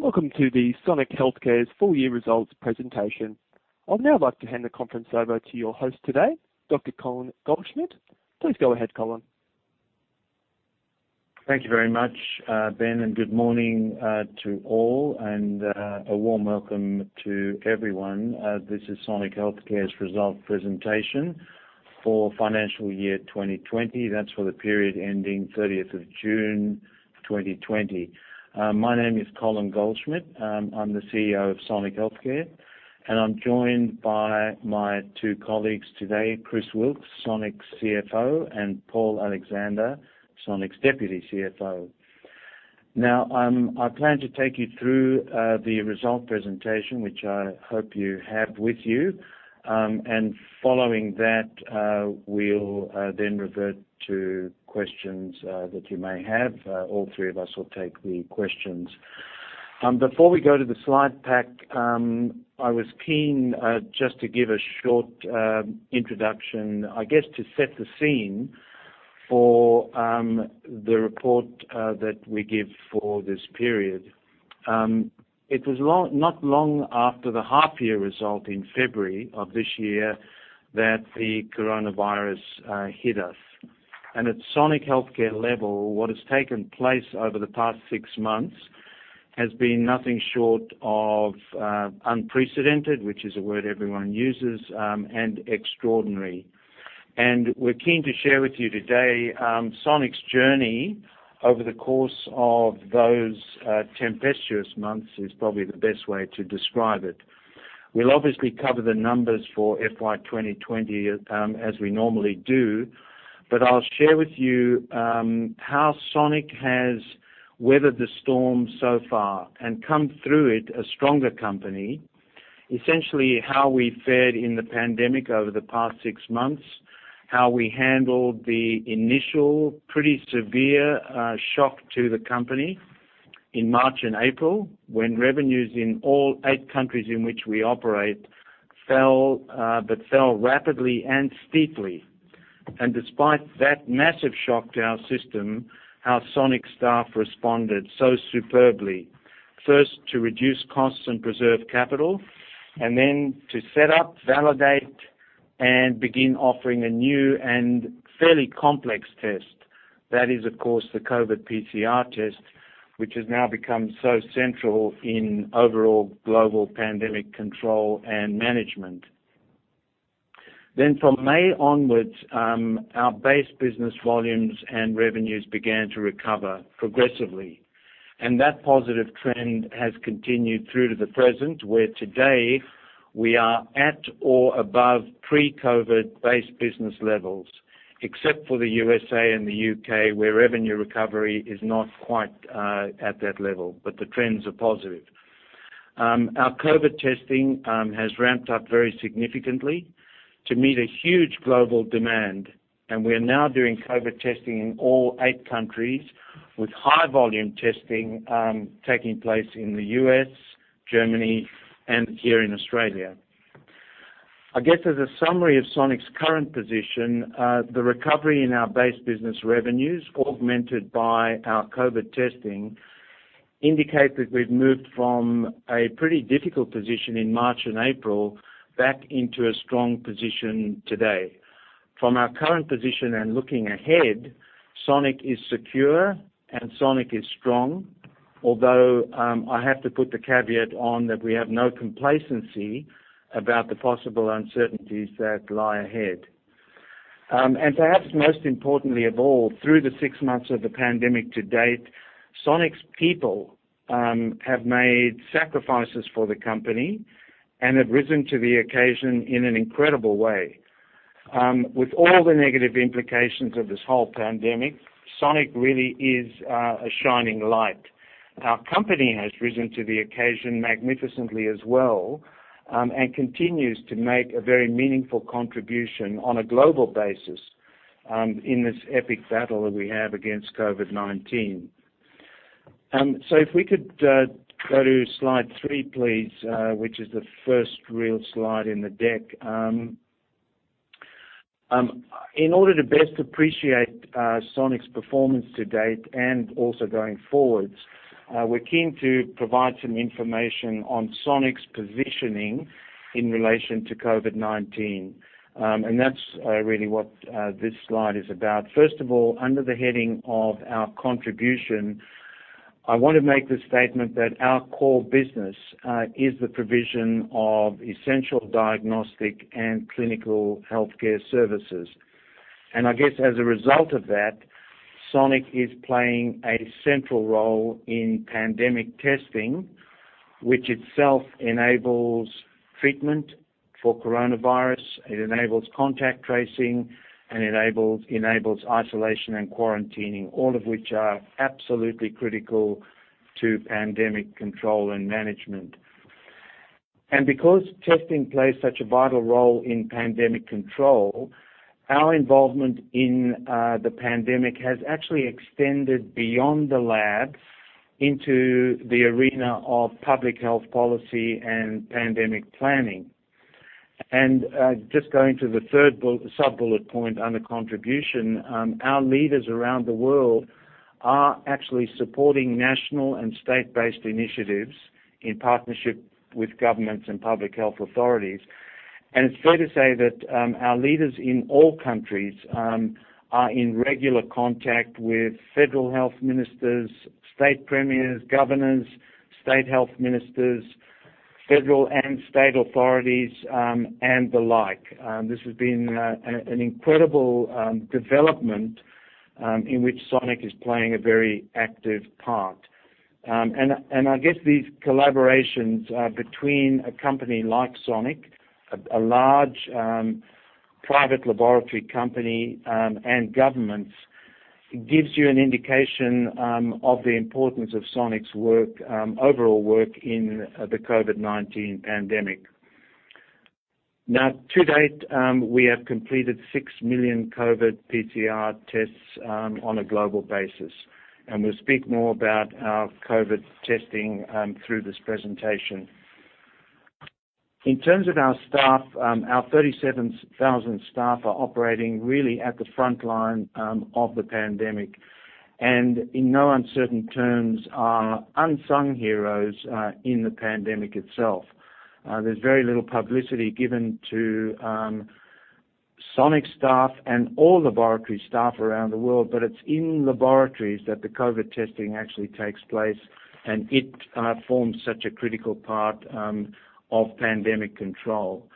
Welcome to the Sonic Healthcare's full year results presentation. I would now like to hand the conference over to your host today, Dr. Colin Goldschmidt. Please go ahead, Colin. Thank you very much, Ben. Good morning to all and a warm welcome to everyone. This is Sonic Healthcare's result presentation for financial year 2020. That's for the period ending 30th of June 2020. My name is Colin Goldschmidt. I'm the CEO of Sonic Healthcare. I'm joined by my two colleagues today, Chris Wilks, Sonic's CFO, and Paul Alexander, Sonic's Deputy CFO. I plan to take you through the result presentation, which I hope you have with you. Following that, we'll then revert to questions that you may have. All three of us will take the questions. Before we go to the slide pack, I was keen just to give a short introduction, I guess, to set the scene for the report that we give for this period. It was not long after the half-year result in February of this year that the coronavirus hit us. At Sonic Healthcare level, what has taken place over the past six months has been nothing short of unprecedented, which is a word everyone uses, and extraordinary. We're keen to share with you today, Sonic's journey over the course of those tempestuous months, is probably the best way to describe it. We'll obviously cover the numbers for FY 2020, as we normally do, but I'll share with you how Sonic has weathered the storm so far and come through it a stronger company. Essentially, how we fared in the pandemic over the past six months, how we handled the initial pretty severe shock to the company in March and April when revenues in all eight countries in which we operate fell, but fell rapidly and steeply. Despite that massive shock to our system, our Sonic staff responded so superbly. First, to reduce costs and preserve capital, then to set up, validate, and begin offering a new and fairly complex test. That is, of course, the COVID PCR test, which has now become so central in overall global pandemic control and management. From May onwards, our base business volumes and revenues began to recover progressively, that positive trend has continued through to the present, where today we are at or above pre-COVID base business levels, except for the USA and the U.K., where revenue recovery is not quite at that level, the trends are positive. Our COVID testing has ramped up very significantly to meet a huge global demand, we are now doing COVID testing in all eight countries with high volume testing taking place in the U.S., Germany, and here in Australia. I guess as a summary of Sonic's current position, the recovery in our base business revenues, augmented by our COVID testing, indicate that we've moved from a pretty difficult position in March and April back into a strong position today. From our current position and looking ahead, Sonic is secure, and Sonic is strong. I have to put the caveat on that we have no complacency about the possible uncertainties that lie ahead. Perhaps most importantly of all, through the six months of the pandemic to date, Sonic's people have made sacrifices for the company and have risen to the occasion in an incredible way. With all the negative implications of this whole pandemic, Sonic really is a shining light. Our company has risen to the occasion magnificently as well, and continues to make a very meaningful contribution on a global basis, in this epic battle that we have against COVID-19. If we could go to slide three, please, which is the first real slide in the deck. In order to best appreciate Sonic's performance to date, and also going forwards, we're keen to provide some information on Sonic's positioning in relation to COVID-19. That's really what this slide is about. First of all, under the heading of our Contribution, I want to make the statement that our core business is the provision of essential diagnostic and clinical healthcare services. I guess as a result of that, Sonic is playing a central role in pandemic testing, which itself enables treatment for coronavirus. It enables contact tracing and enables isolation and quarantining, all of which are absolutely critical to pandemic control and management. Because testing plays such a vital role in pandemic control, our involvement in the pandemic has actually extended beyond the lab into the arena of public health policy and pandemic planning. Just going to the third sub-bullet point under contribution, our leaders around the world are actually supporting national and state-based initiatives in partnership with governments and public health authorities. It's fair to say that our leaders in all countries are in regular contact with federal health ministers, state premiers, governors, state health ministers, federal and state authorities, and the like. This has been an incredible development in which Sonic is playing a very active part. I guess these collaborations between a company like Sonic, a large private laboratory company, and governments, gives you an indication of the importance of Sonic's overall work in the COVID-19 pandemic. To date, we have completed 6 million COVID PCR tests on a global basis, and we'll speak more about our COVID testing through this presentation. In terms of our staff, our 37,000 staff are operating really at the frontline of the pandemic, and in no uncertain terms, are unsung heroes in the pandemic itself. There's very little publicity given to Sonic staff and all laboratory staff around the world, but it's in laboratories that the COVID testing actually takes place, and it forms such a critical part of pandemic control.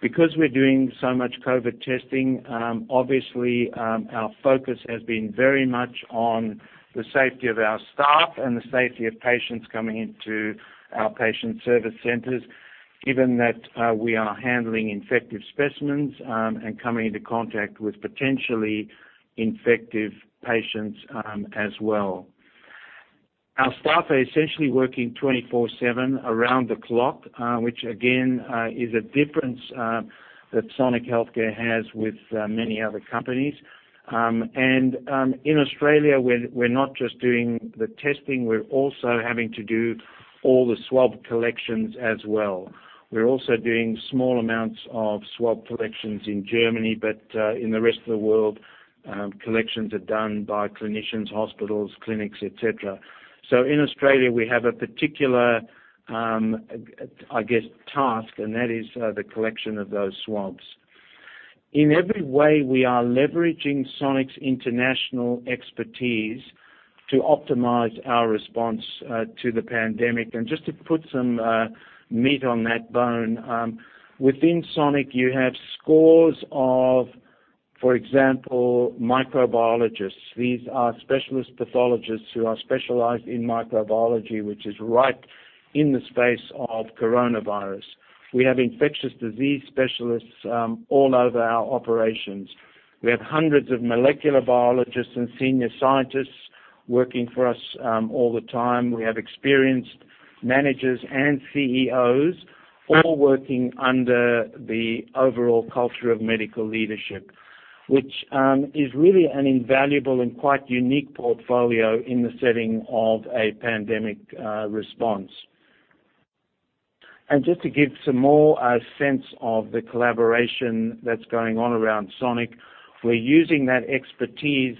Because we're doing so much COVID testing, obviously, our focus has been very much on the safety of our staff and the safety of patients coming into our patient service centers, given that we are handling infective specimens, and coming into contact with potentially infective patients, as well. Our staff are essentially working 24/7 around the clock, which again, is a difference that Sonic Healthcare has with many other companies. In Australia, we're not just doing the testing, we're also having to do all the swab collections as well. We're also doing small amounts of swab collections in Germany, but in the rest of the world, collections are done by clinicians, hospitals, clinics, et cetera. In Australia, we have a particular, I guess, task, and that is the collection of those swabs. In every way, we are leveraging Sonic's international expertise to optimize our response to the pandemic. Just to put some meat on that bone, within Sonic, you have scores of, for example, microbiologists. These are specialist pathologists who are specialized in microbiology, which is right in the space of coronavirus. We have infectious disease specialists all over our operations. We have hundreds of molecular biologists and senior scientists working for us all the time. We have experienced managers and CEOs all working under the overall culture of medical leadership, which is really an invaluable and quite unique portfolio in the setting of a pandemic response. Just to give some more sense of the collaboration that's going on around Sonic, we're using that expertise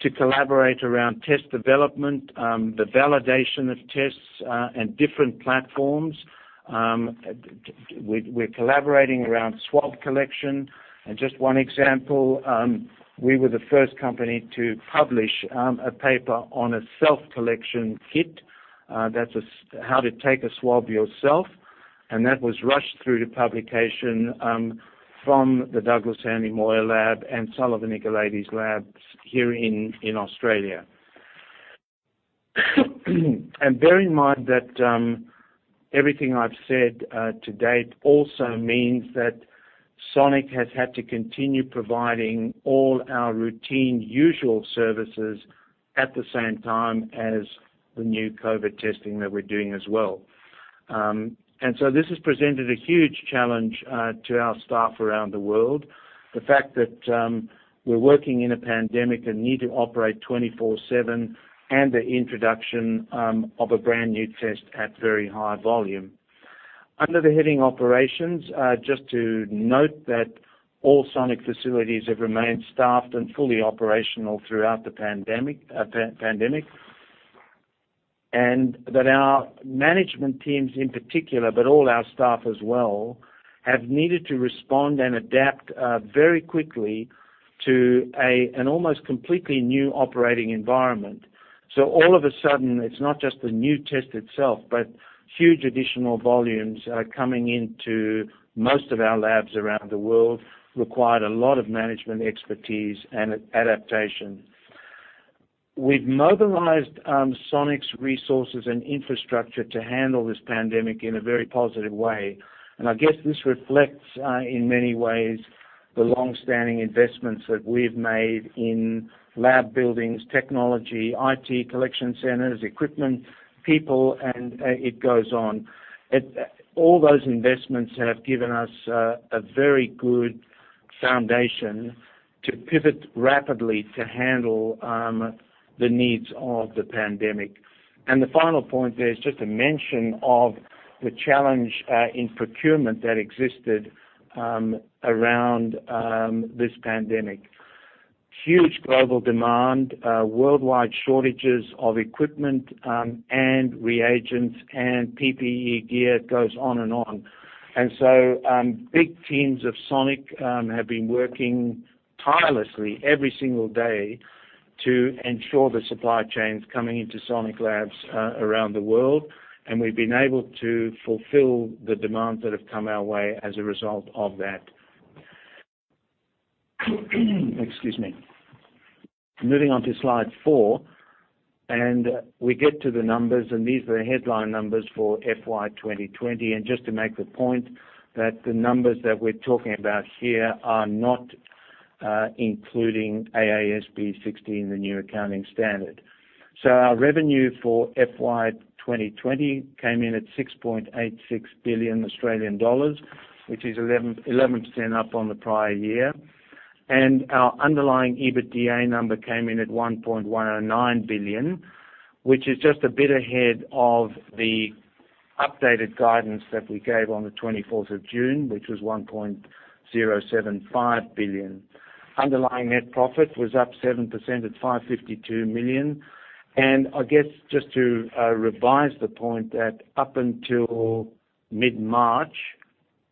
to collaborate around test development, the validation of tests, and different platforms. We're collaborating around swab collection, and just one example, we were the first company to publish a paper on a self-collection kit. That's how to take a swab yourself, and that was rushed through to publication from the Douglass Hanly Moir Lab and Sullivan Nicolaides Labs here in Australia. Bear in mind that everything I've said to date also means that Sonic has had to continue providing all our routine usual services at the same time as the new COVID testing that we're doing as well. This has presented a huge challenge to our staff around the world. The fact that we're working in a pandemic and need to operate 24/7, and the introduction of a brand-new test at very high volume. Under the heading, Operations, just to note that all Sonic facilities have remained staffed and fully operational throughout the pandemic. That our management teams in particular, but all our staff as well, have needed to respond and adapt very quickly to an almost completely new operating environment. All of a sudden, it's not just the new test itself, but huge additional volumes are coming into most of our labs around the world, required a lot of management expertise and adaptation. We've mobilized Sonic's resources and infrastructure to handle this pandemic in a very positive way, and I guess this reflects, in many ways, the longstanding investments that we've made in lab buildings, technology, IT collection centers, equipment, people, and it goes on. All those investments have given us a very good foundation to pivot rapidly to handle the needs of the pandemic. The final point there is just a mention of the challenge in procurement that existed around this pandemic. Huge global demand, worldwide shortages of equipment and reagents and PPE gear. Big teams of Sonic have been working tirelessly every single day to ensure the supply chain's coming into Sonic labs around the world, and we've been able to fulfill the demands that have come our way as a result of that. Excuse me. Moving on to slide four, and we get to the numbers, and these are the headline numbers for FY 2020. Just to make the point that the numbers that we're talking about here are not including AASB 16, the new accounting standard. Our revenue for FY 2020 came in at 6.86 billion Australian dollars, which is 11% up on the prior year. Our underlying EBITDA number came in at 1.109 billion, which is just a bit ahead of the updated guidance that we gave on the 24th of June, which was 1.075 billion. Underlying net profit was up 7% at 552 million. I guess, just to revise the point that up until mid-March,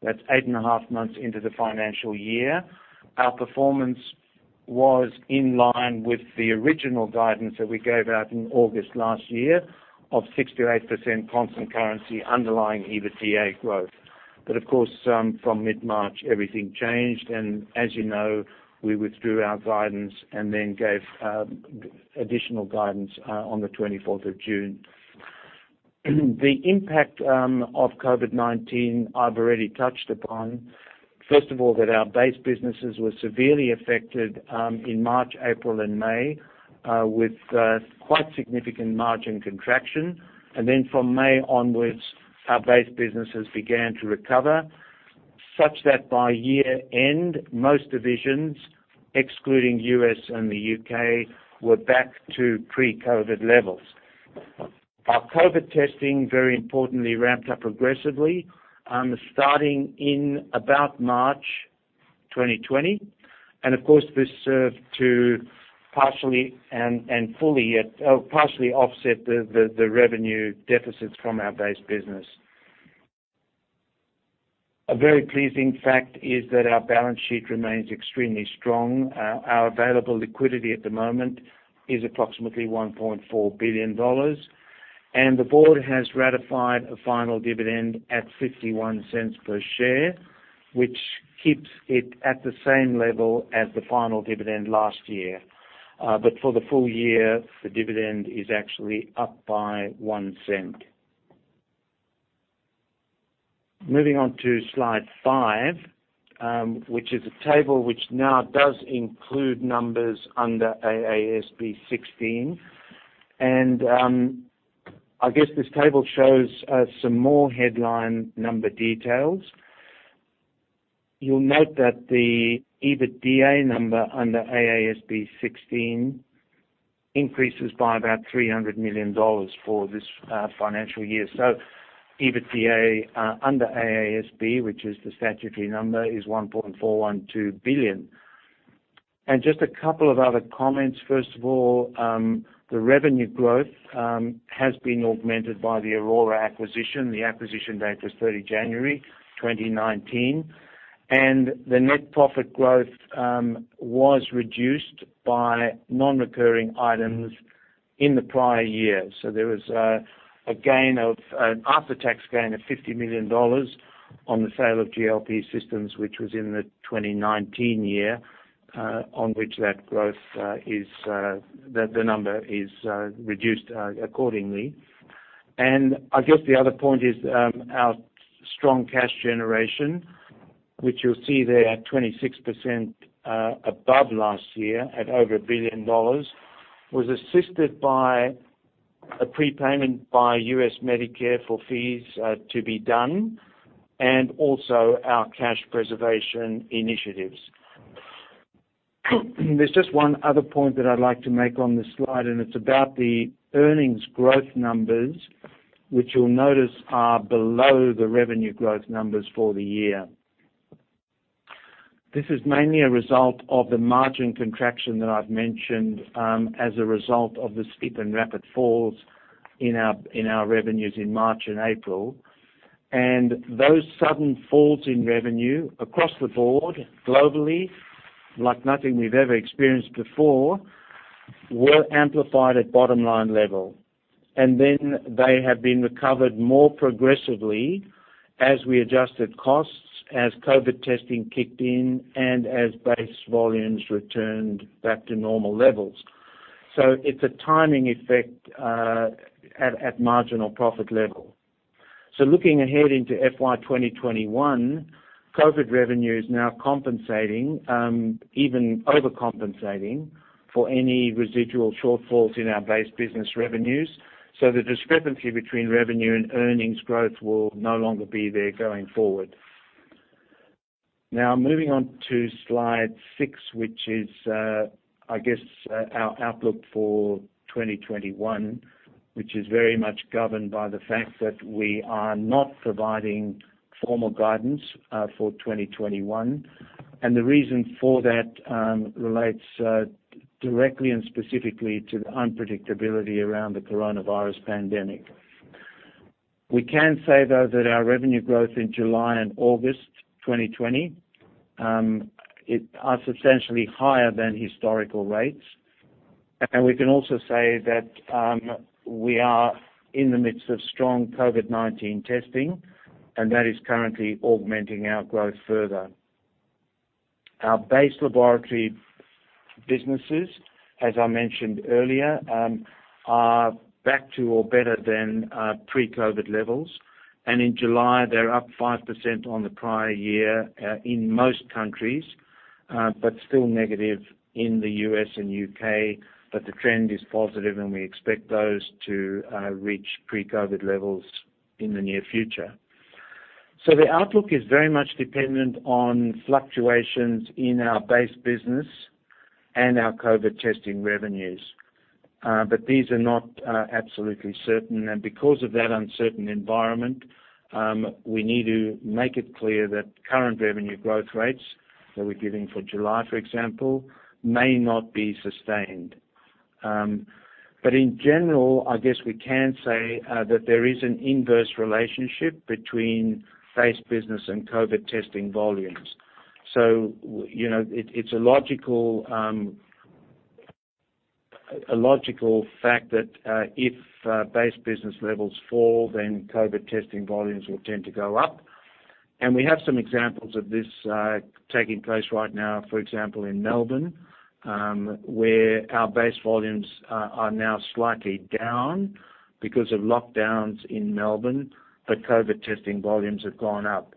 that's eight and a half months into the financial year, our performance was in line with the original guidance that we gave out in August last year, of 6%-8% constant currency underlying EBITDA growth. Of course, from mid-March, everything changed. As you know, we withdrew our guidance and then gave additional guidance on the 24th of June. The impact of COVID-19 I've already touched upon. First of all, that our base businesses were severely affected in March, April, and May, with quite significant margin contraction. From May onwards, our base businesses began to recover, such that by year-end, most divisions, excluding U.S. and the U.K., were back to pre-COVID levels. Our COVID testing, very importantly, ramped up aggressively, starting in about March 2020. Of course, this served to partially offset the revenue deficits from our base business. A very pleasing fact is that our balance sheet remains extremely strong. Our available liquidity at the moment is approximately 1.4 billion dollars, and the board has ratified a final dividend at 0.51 per share, which keeps it at the same level as the final dividend last year. For the full year, the dividend is actually up by 0.01. Moving on to slide five, which is a table which now does include numbers under AASB 16. I guess this table shows us some more headline number details. You'll note that the EBITDA number under AASB 16 increases by about 300 million dollars for this financial year. EBITDA under AASB, which is the statutory number, is 1.412 billion. Just a couple of other comments. First of all, the revenue growth has been augmented by the Aurora acquisition. The acquisition date was 30 January 2019. The net profit growth was reduced by non-recurring items in the prior year. There was an after-tax gain of 50 million dollars on the sale of GLP Systems, which was in the 2019 year, on which the number is reduced accordingly. I guess the other point is our strong cash generation, which you'll see there at 26% above last year at over 1 billion dollars, was assisted by a prepayment by U.S. Medicare for fees to be done, and also our cash preservation initiatives. There's just one other point that I'd like to make on this slide. It's about the earnings growth numbers, which you'll notice are below the revenue growth numbers for the year. This is mainly a result of the margin contraction that I've mentioned as a result of the steep and rapid falls in our revenues in March and April. Those sudden falls in revenue across the board globally, like nothing we've ever experienced before, were amplified at bottom line level. They have been recovered more progressively as we adjusted costs, as COVID testing kicked in, and as base volumes returned back to normal levels. It's a timing effect at margin or profit level. Looking ahead into FY 2021, COVID revenue is now compensating, even overcompensating, for any residual shortfalls in our base business revenues. The discrepancy between revenue and earnings growth will no longer be there going forward. Now, moving on to slide six, which is our outlook for 2021, which is very much governed by the fact that we are not providing formal guidance for 2021. The reason for that relates directly and specifically to the unpredictability around the coronavirus pandemic. We can say, though, that our revenue growth in July and August 2020, are substantially higher than historical rates. We can also say that we are in the midst of strong COVID-19 testing, and that is currently augmenting our growth further. Our base laboratory businesses, as I mentioned earlier, are back to or better than pre-COVID levels. In July, they're up 5% on the prior year in most countries, but still negative in the U.S. and U.K. The trend is positive, and we expect those to reach pre-COVID levels in the near future. The outlook is very much dependent on fluctuations in our base business and our COVID testing revenues. These are not absolutely certain, and because of that uncertain environment, we need to make it clear that current revenue growth rates that we're giving for July, for example, may not be sustained. In general, I guess we can say that there is an inverse relationship between base business and COVID testing volumes. It's a logical fact that, if base business levels fall, then COVID testing volumes will tend to go up. We have some examples of this taking place right now. For example, in Melbourne, where our base volumes are now slightly down because of lockdowns in Melbourne, but COVID testing volumes have gone up.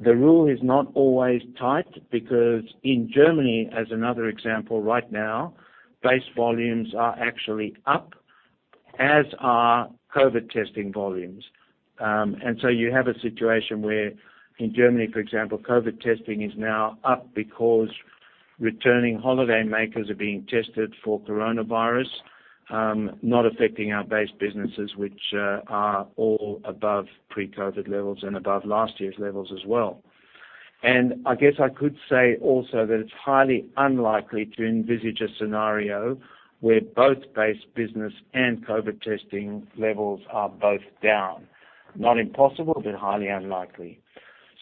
The rule is not always tight because, in Germany, as another example right now, base volumes are actually up, as are COVID testing volumes. You have a situation where in Germany, for example, COVID testing is now up because returning holidaymakers are being tested for coronavirus, not affecting our base businesses, which are all above pre-COVID levels and above last year's levels as well. I guess I could say also that it's highly unlikely to envisage a scenario where both base business and COVID testing levels are both down. Not impossible, but highly unlikely.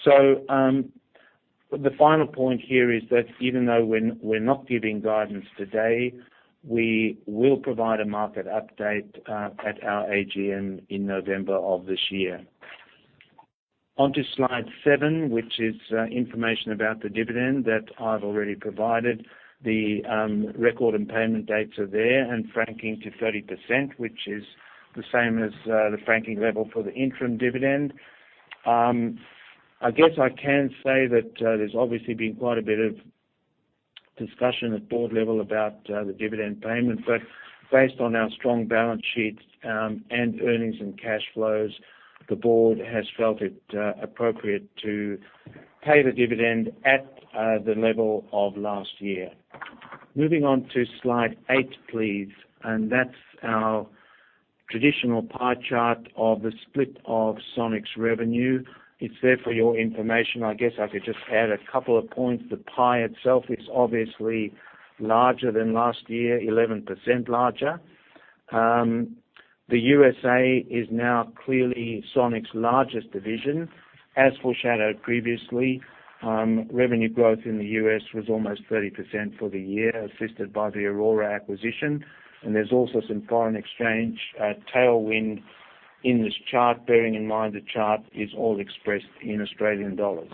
The final point here is that even though we're not giving guidance today, we will provide a market update at our AGM in November of this year. On to slide seven, which is information about the dividend that I've already provided. The record and payment dates are there and franking to 30%, which is the same as the franking level for the interim dividend. I guess I can say that there's obviously been quite a bit of discussion at board level about the dividend payment. Based on our strong balance sheet and earnings and cash flows, the board has felt it appropriate to pay the dividend at the level of last year. Moving on to slide eight, please. That's our traditional pie chart of the split of Sonic's revenue. It's there for your information. I guess I could just add a couple of points. The pie itself is obviously larger than last year, 11% larger. The U.S. is now clearly Sonic's largest division. As foreshadowed previously, revenue growth in the U.S. was almost 30% for the year, assisted by the Aurora acquisition, and there's also some foreign exchange tailwind in this chart, bearing in mind the chart is all expressed in Australian dollars.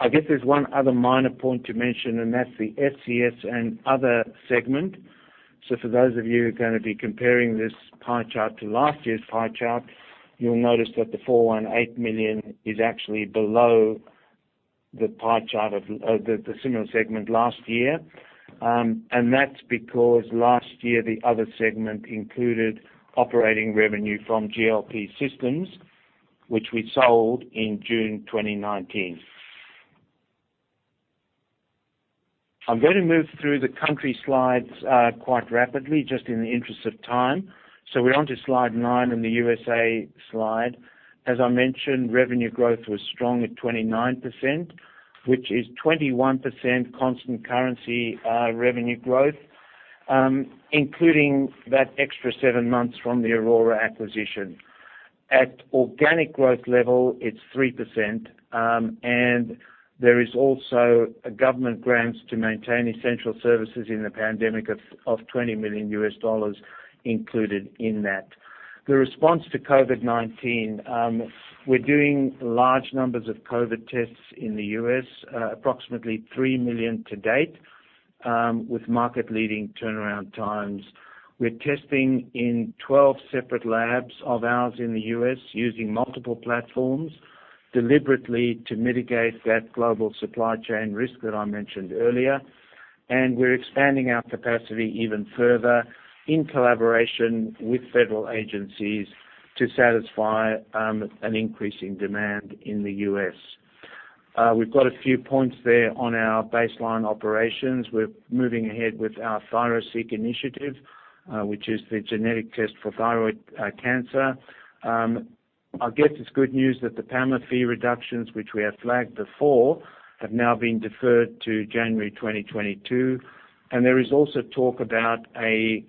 I guess there's one other minor point to mention, that's the SCS and other segment. For those of you who are going to be comparing this pie chart to last year's pie chart, you'll notice that the 418 million is actually below the pie chart of the similar segment last year. That's because last year, the other segment included operating revenue from GLP Systems, which we sold in June 2019. I'm going to move through the country slides quite rapidly, just in the interest of time. We're on to slide nine and the USA slide. As I mentioned, revenue growth was strong at 29%, which is 21% constant currency revenue growth, including that extra seven months from the Aurora acquisition. At organic growth level, it's 3% and there is also government grants to maintain essential services in the pandemic of $20 million included in that. The response to COVID-19. We're doing large numbers of COVID tests in the U.S., approximately 3 million to date, with market-leading turnaround times. We're testing in 12 separate labs of ours in the U.S., using multiple platforms deliberately to mitigate that global supply chain risk that I mentioned earlier. We're expanding our capacity even further in collaboration with federal agencies to satisfy an increase in demand in the U.S. We've got a few points there on our baseline operations. We're moving ahead with our ThyroSeq initiative, which is the genetic test for thyroid cancer. I guess it's good news that the PAMA fee reductions, which we have flagged before, have now been deferred to January 2022. There is also talk about a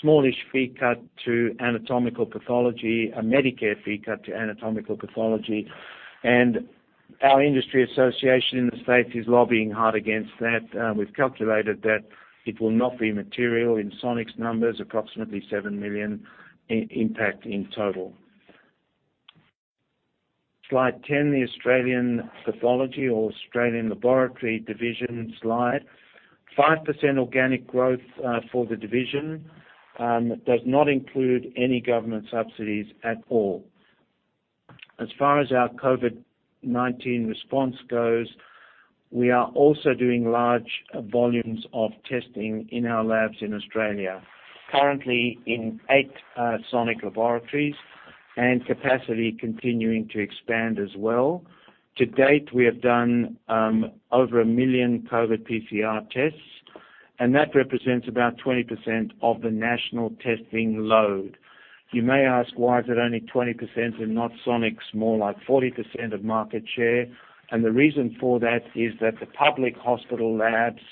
smallish fee cut to anatomical pathology, a Medicare fee cut to anatomical pathology. Our industry association in the U.S. is lobbying hard against that. We've calculated that it will not be material in Sonic's numbers, approximately 7 million impact in total. Slide 10, the Australian pathology or Australian laboratory division slide. 5% organic growth for the division does not include any government subsidies at all. As far as our COVID-19 response goes, we are also doing large volumes of testing in our labs in Australia, currently in eight Sonic laboratories. Capacity continuing to expand as well. To date, we have done over 1 million COVID PCR tests. That represents about 20% of the national testing load. You may ask, why is it only 20% and not Sonic's more like 40% of market share? The reason for that is that the public hospital labs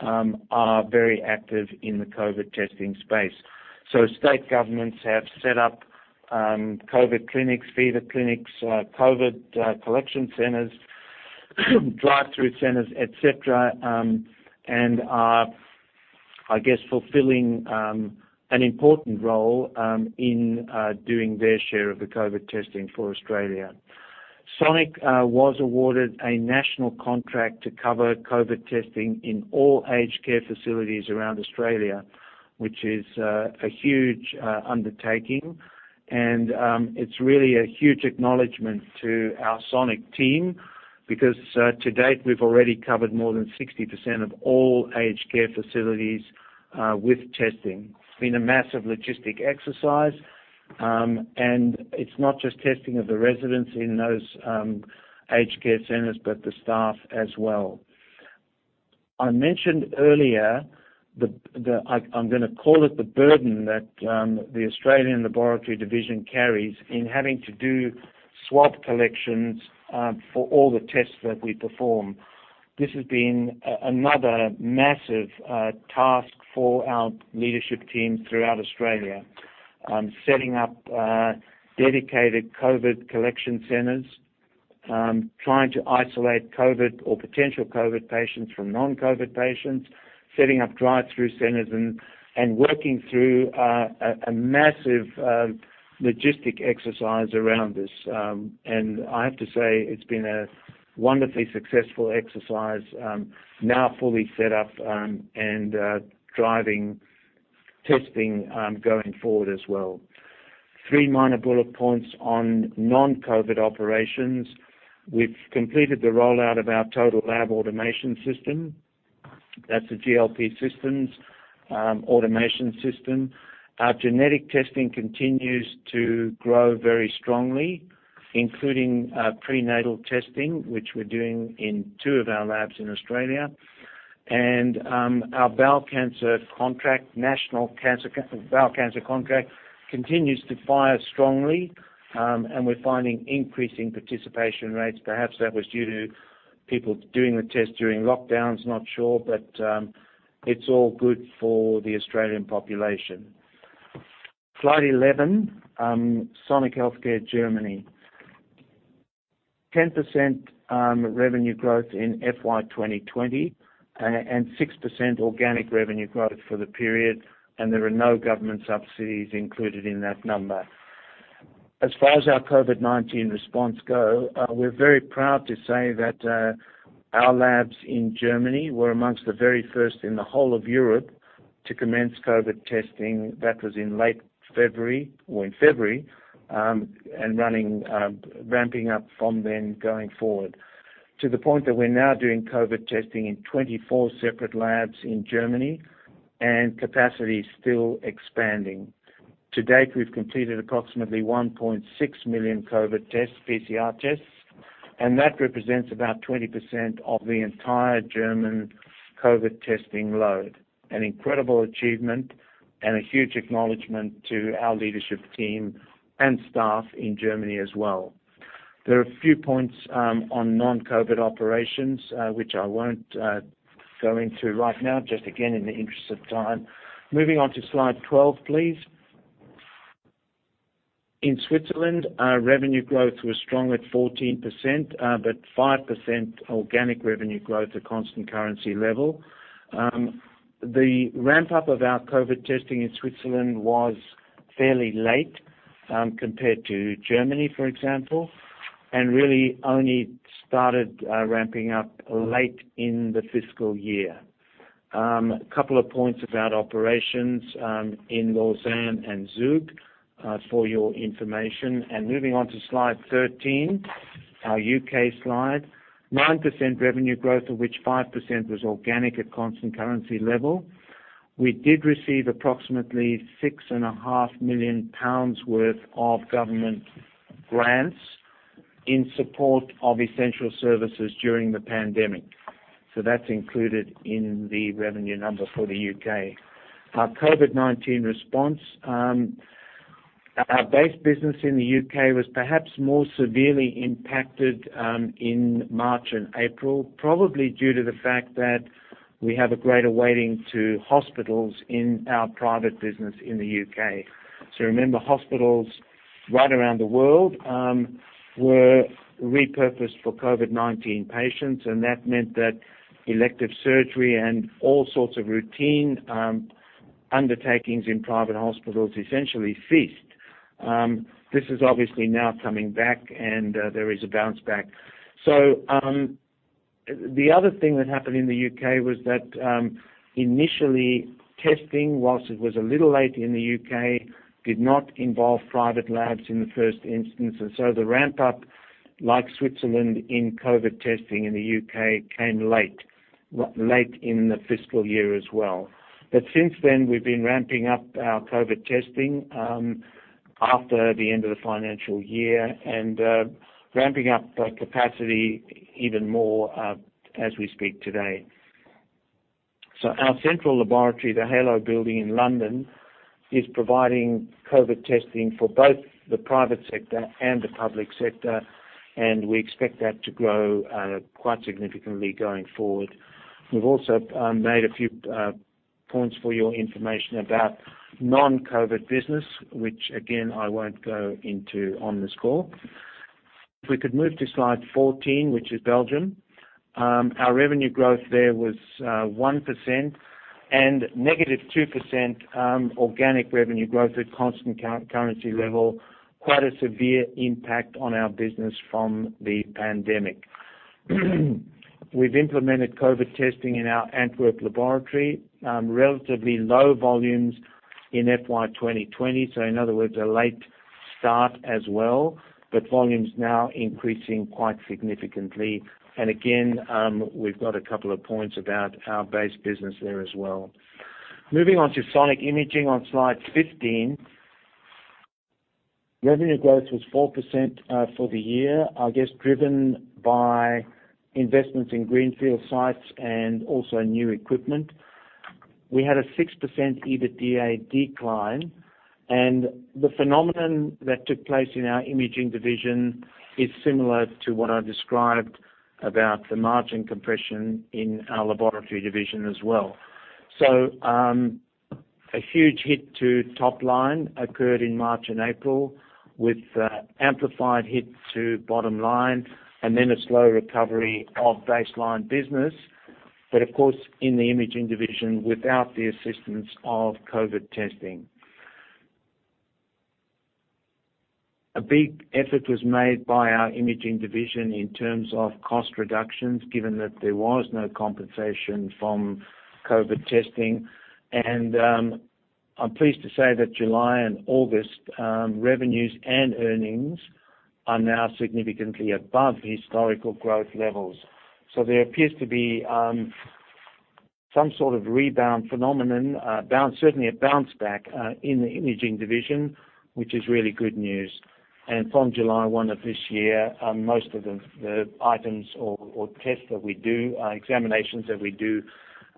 are very active in the COVID testing space. State governments have set up COVID clinics, fever clinics, COVID collection centers, drive-through centers, et cetera, and are fulfilling an important role in doing their share of the COVID testing for Australia. Sonic was awarded a national contract to cover COVID testing in all aged care facilities around Australia, which is a huge undertaking. It's really a huge acknowledgment to our Sonic team because to date, we've already covered more than 60% of all aged care facilities with testing. It's been a massive logistic exercise, and it's not just testing of the residents in those aged care centers, but the staff as well. I mentioned earlier, I'm going to call it the burden that the Australian laboratory division carries in having to do swab collections for all the tests that we perform. This has been another massive task for our leadership team throughout Australia, setting up dedicated COVID collection centers, trying to isolate COVID or potential COVID patients from non-COVID patients, setting up drive-through centers and working through a massive logistic exercise around this. I have to say, it's been a wonderfully successful exercise, now fully set up and driving testing going forward as well. Three minor bullet points on non-COVID operations. We've completed the roll-out of our total lab automation system. That's the GLP Systems automation system. Our genetic testing continues to grow very strongly, including prenatal testing, which we're doing in two of our labs in Australia. Our National Bowel Cancer contract continues to fire strongly, and we're finding increasing participation rates. Perhaps that was due to people doing the test during lockdowns, not sure, but it's all good for the Australian population. Slide 11, Sonic Healthcare, Germany. 10% revenue growth in FY 2020, and 6% organic revenue growth for the period, and there are no government subsidies included in that number. As far as our COVID-19 response go, we're very proud to say that our labs in Germany were amongst the very first in the whole of Europe to commence COVID testing. That was in late February or in February, and ramping up from then going forward, to the point that we're now doing COVID testing in 24 separate labs in Germany, and capacity is still expanding. To date, we've completed approximately 1.6 million COVID tests, PCR tests, and that represents about 20% of the entire German COVID testing load. An incredible achievement and a huge acknowledgment to our leadership team and staff in Germany as well. There are a few points on non-COVID operations, which I won't go into right now, just again in the interest of time. Moving on to slide 12, please. In Switzerland, our revenue growth was strong at 14%, but 5% organic revenue growth at constant currency level. The ramp-up of our COVID testing in Switzerland was fairly late, compared to Germany, for example, and really only started ramping up late in the fiscal year. Couple of points about operations in Lausanne and Zug for your information. Moving on to slide 13. Our U.K. slide. 9% revenue growth, of which 5% was organic at constant currency level. We did receive approximately 6.5 million pounds worth of government grants in support of essential services during the pandemic. That's included in the revenue number for the U.K. Our COVID-19 response. Our base business in the U.K. was perhaps more severely impacted in March and April, probably due to the fact that we have a greater weighting to hospitals in our private business in the U.K. Remember, hospitals right around the world were repurposed for COVID-19 patients, and that meant that elective surgery and all sorts of routine undertakings in private hospitals essentially ceased. This is obviously now coming back, and there is a bounce back. The other thing that happened in the U.K. was that initially testing, whilst it was a little late in the U.K., did not involve private labs in the first instance. The ramp-up, like Switzerland in COVID testing in the U.K., came late in the fiscal year as well. Since then, we've been ramping up our COVID testing after the end of the financial year and ramping up capacity even more as we speak today. Our central laboratory, The Halo building in London, is providing COVID testing for both the private sector and the public sector, and we expect that to grow quite significantly going forward. We've also made a few points for your information about non-COVID business, which again, I won't go into on this call. We could move to slide 14, which is Belgium. Our revenue growth there was 1% and -2% organic revenue growth at constant currency level. Quite a severe impact on our business from the pandemic. We've implemented COVID testing in our Antwerp laboratory. Relatively low volumes in FY 2020, in other words, a late start as well. Volumes now increasing quite significantly. Again, we've got a couple of points about our base business there as well. Moving on to Sonic Imaging on slide 15. Revenue growth was 4% for the year, I guess driven by investments in greenfield sites and also new equipment. We had a 6% EBITDA decline. The phenomenon that took place in our imaging division is similar to what I described about the margin compression in our laboratory division as well. A huge hit to top line occurred in March and April, with amplified hit to bottom line, then a slow recovery of baseline business. Of course, in the imaging division, without the assistance of COVID testing. A big effort was made by our imaging division in terms of cost reductions, given that there was no compensation from COVID testing. I'm pleased to say that July and August revenues and earnings are now significantly above historical growth levels. There appears to be some sort of rebound phenomenon, certainly a bounce back, in the imaging division, which is really good news. From July 1 of this year, most of the items or tests that we do, examinations that we do,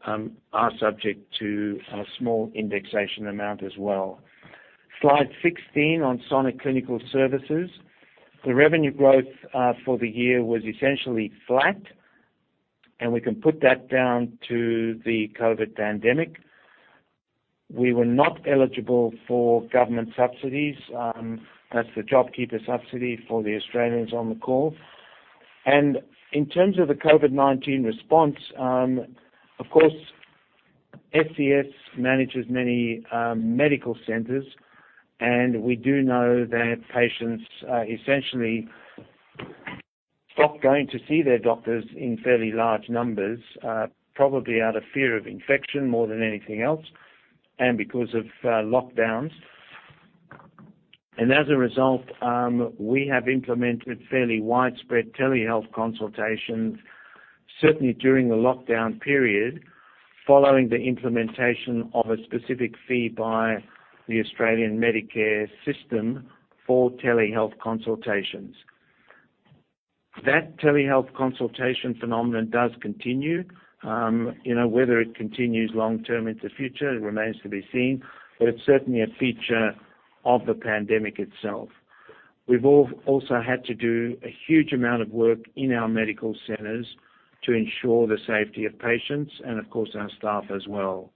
are subject to a small indexation amount as well. Slide 16 on Sonic Clinical Services. The revenue growth for the year was essentially flat, and we can put that down to the COVID pandemic. We were not eligible for government subsidies. That's the JobKeeper subsidy for the Australians on the call. In terms of the COVID-19 response, of course, SCS manages many medical centers, and we do know that patients essentially stopped going to see their doctors in fairly large numbers, probably out of fear of infection more than anything else, and because of lockdowns. As a result, we have implemented fairly widespread telehealth consultations, certainly during the lockdown period, following the implementation of a specific fee by the Australian Medicare system for telehealth consultations. That telehealth consultation phenomenon does continue. Whether it continues long-term into future, it remains to be seen, but it's certainly a feature of the pandemic itself. We've also had to do a huge amount of work in our medical centers to ensure the safety of patients and of course, our staff as well.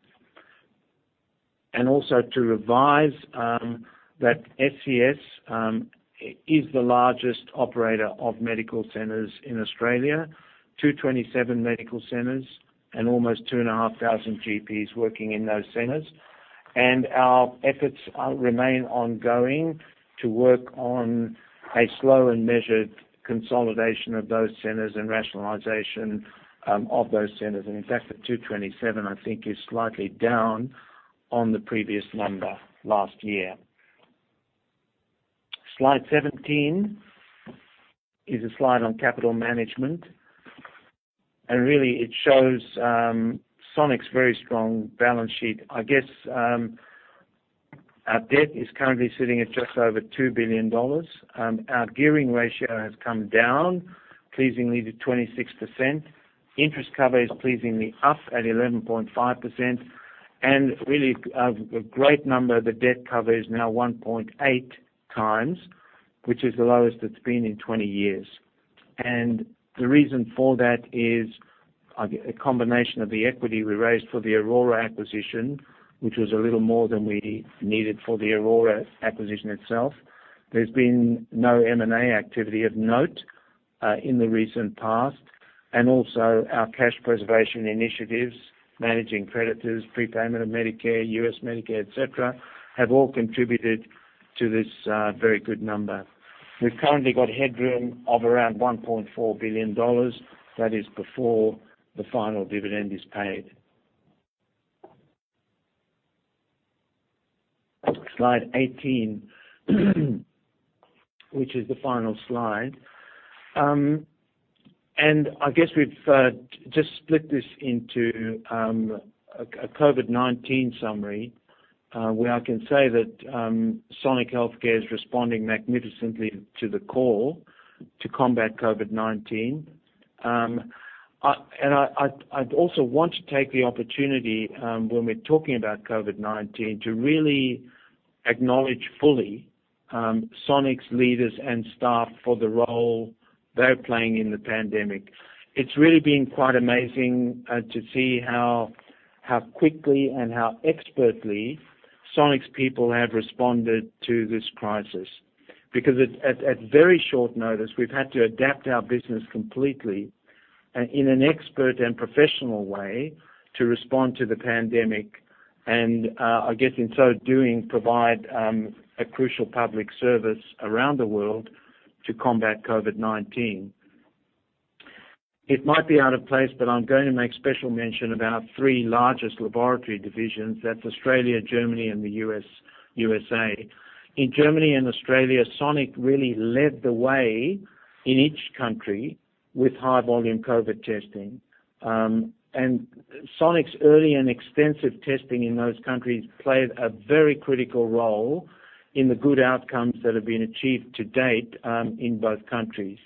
Also to revise that SCS is the largest operator of medical centers in Australia, 227 medical centers and almost 2,500 GPs working in those centers. Our efforts remain ongoing to work on a slow and measured consolidation of those centers and rationalization of those centers. In fact, the 227, I think, is slightly down on the previous number last year. Slide 17 is a slide on capital management, and really it shows Sonic's very strong balance sheet. I guess our debt is currently sitting at just over 2 billion dollars. Our gearing ratio has come down pleasingly to 26%. Interest cover is pleasingly up at 11.5%, and really a great number, the debt cover is now 1.8x, which is the lowest it's been in 20 years. The reason for that is a combination of the equity we raised for the Aurora acquisition, which was a little more than we needed for the Aurora acquisition itself. There's been no M&A activity of note, in the recent past, and also our cash preservation initiatives, managing creditors, prepayment of Medicare, U.S. Medicare, et cetera, have all contributed to this very good number. We've currently got headroom of around 1.4 billion dollars. That is before the final dividend is paid. Slide 18, which is the final slide. I guess we've just split this into a COVID-19 summary, where I can say that Sonic Healthcare is responding magnificently to the call to combat COVID-19. I'd also want to take the opportunity, when we're talking about COVID-19, to really acknowledge fully Sonic's leaders and staff for the role they're playing in the pandemic. It's really been quite amazing to see how quickly and how expertly Sonic's people have responded to this crisis. At very short notice, we've had to adapt our business completely and in an expert and professional way to respond to the pandemic and, I guess, in so doing, provide a crucial public service around the world to combat COVID-19. It might be out of place, I'm going to make special mention of our three largest laboratory divisions, that's Australia, Germany, and the U.S.A. In Germany and Australia, Sonic really led the way in each country with high-volume COVID testing. Sonic's early and extensive testing in those countries played a very critical role in the good outcomes that have been achieved to date, in both countries.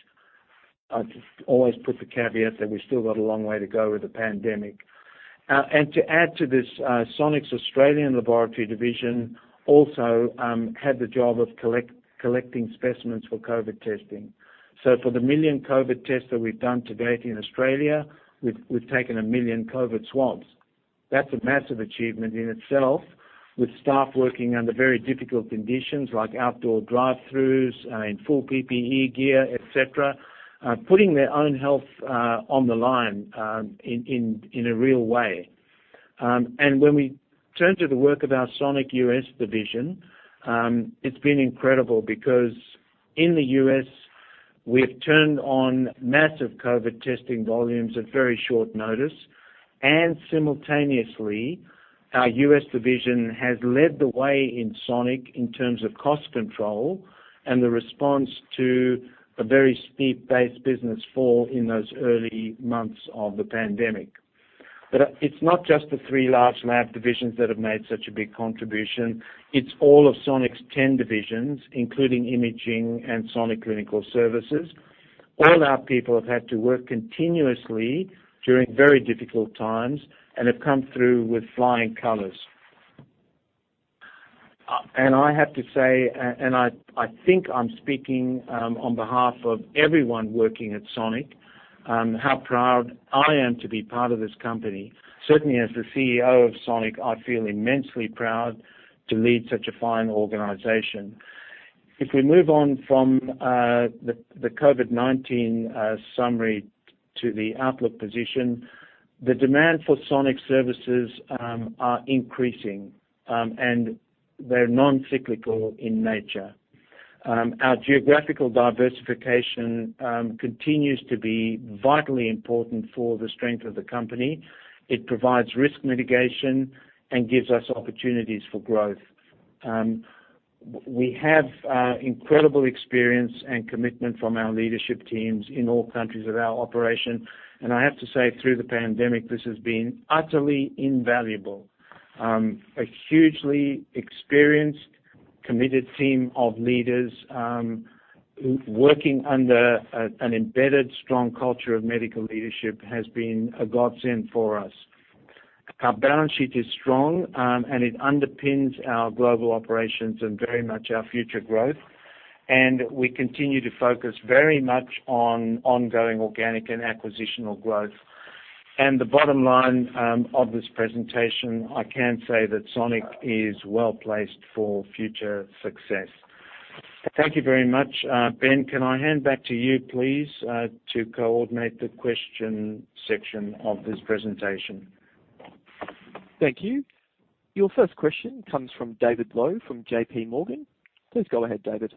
I always put the caveat that we've still got a long way to go with the pandemic. To add to this, Sonic's Australian laboratory division also had the job of collecting specimens for COVID testing. For the 1 million COVID tests that we've done to date in Australia, we've taken 1 million COVID swabs. That's a massive achievement in itself, with staff working under very difficult conditions like outdoor drive-throughs, in full PPE gear, et cetera, putting their own health on the line in a real way. When we turn to the work of our Sonic U.S. division, it's been incredible because in the U.S., we have turned on massive COVID testing volumes at very short notice, simultaneously, our U.S. division has led the way in Sonic in terms of cost control and the response to a very steep-based business fall in those early months of the pandemic. It's not just the three large lab divisions that have made such a big contribution. It's all of Sonic's 10 divisions, including imaging and Sonic Clinical Services. All our people have had to work continuously during very difficult times and have come through with flying colors. I have to say, and I think I'm speaking on behalf of everyone working at Sonic, how proud I am to be part of this company. Certainly, as the CEO of Sonic, I feel immensely proud to lead such a fine organization. If we move on from the COVID-19 summary to the outlook position, the demand for Sonic services are increasing, and they're non-cyclical in nature. Our geographical diversification continues to be vitally important for the strength of the company. It provides risk mitigation and gives us opportunities for growth. We have incredible experience and commitment from our leadership teams in all countries of our operation, and I have to say, through the pandemic, this has been utterly invaluable. A hugely experienced, committed team of leaders working under an embedded strong culture of medical leadership has been a godsend for us. Our balance sheet is strong, and it underpins our global operations and very much our future growth, and we continue to focus very much on ongoing organic and acquisitional growth. The bottom line of this presentation, I can say that Sonic is well-placed for future success. Thank you very much. Ben, can I hand back to you, please, to coordinate the question section of this presentation? Thank you. Your first question comes from David Low from JPMorgan. Please go ahead, David.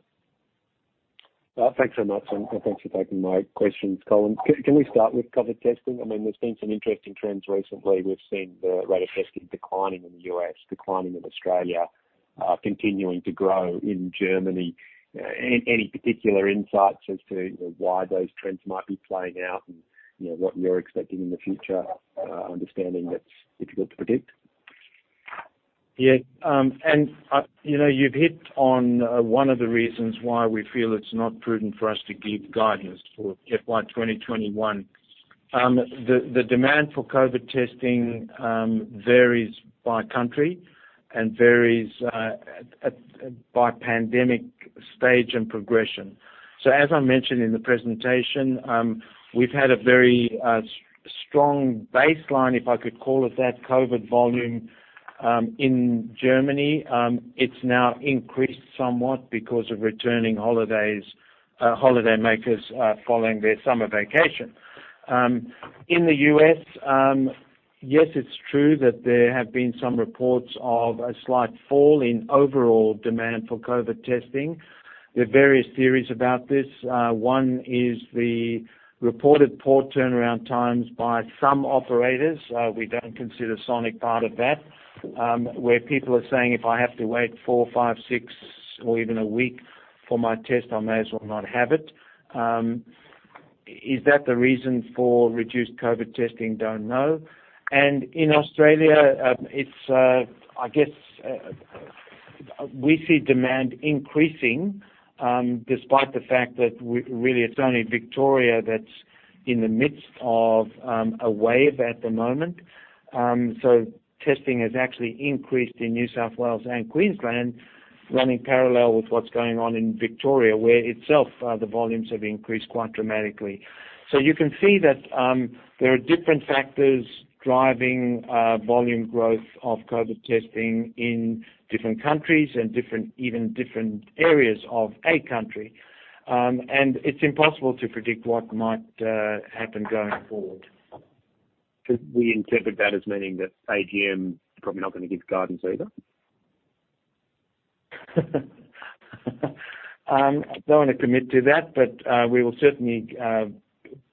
Thanks so much, and thanks for taking my questions, Colin. Can we start with COVID testing? There's been some interesting trends recently. We've seen the rate of testing declining in the U.S., declining in Australia, continuing to grow in Germany. Any particular insights as to why those trends might be playing out, and what you're expecting in the future, understanding that it's difficult to predict? You've hit on one of the reasons why we feel it's not prudent for us to give guidance for FY 2021. The demand for COVID testing varies by country and varies by pandemic stage and progression. As I mentioned in the presentation, we've had a very strong baseline, if I could call it that, COVID volume in Germany. It's now increased somewhat because of returning holidaymakers following their summer vacation. In the U.S., yes, it's true that there have been some reports of a slight fall in overall demand for COVID testing. There are various theories about this. One is the reported poor turnaround times by some operators, we don't consider Sonic part of that, where people are saying, "If I have to wait four, five, six or even a week for my test, I may as well not have it." Is that the reason for reduced COVID testing? Don't know. In Australia, I guess, we see demand increasing, despite the fact that really it's only Victoria that's in the midst of a wave at the moment. Testing has actually increased in New South Wales and Queensland, running parallel with what's going on in Victoria, where itself the volumes have increased quite dramatically. You can see that there are different factors driving volume growth of COVID testing in different countries and even different areas of a country. It's impossible to predict what might happen going forward. Could we interpret that as meaning that AGM is probably not going to give guidance either? I don't want to commit to that, but, we will certainly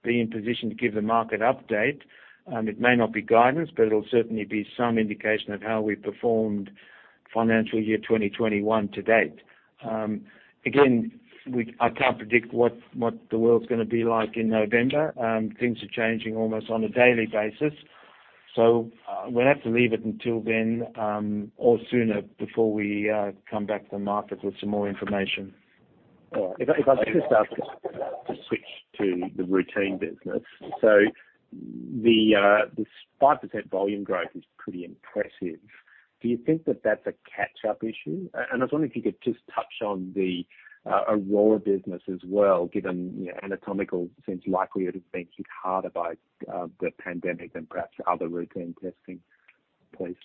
be in position to give the market update. It may not be guidance, but it'll certainly be some indication of how we performed financial year 2021 to date. I can't predict what the world's going to be like in November. Things are changing almost on a daily basis, we'll have to leave it until then, or sooner, before we come back to the market with some more information. All right. If I could just ask you to switch to the routine business. The 5% volume growth is pretty impressive. Do you think that that's a catch-up issue? I was wondering if you could just touch on the Aurora business as well, given anatomical seems likelier to have been hit harder by the pandemic than perhaps other routine testing places.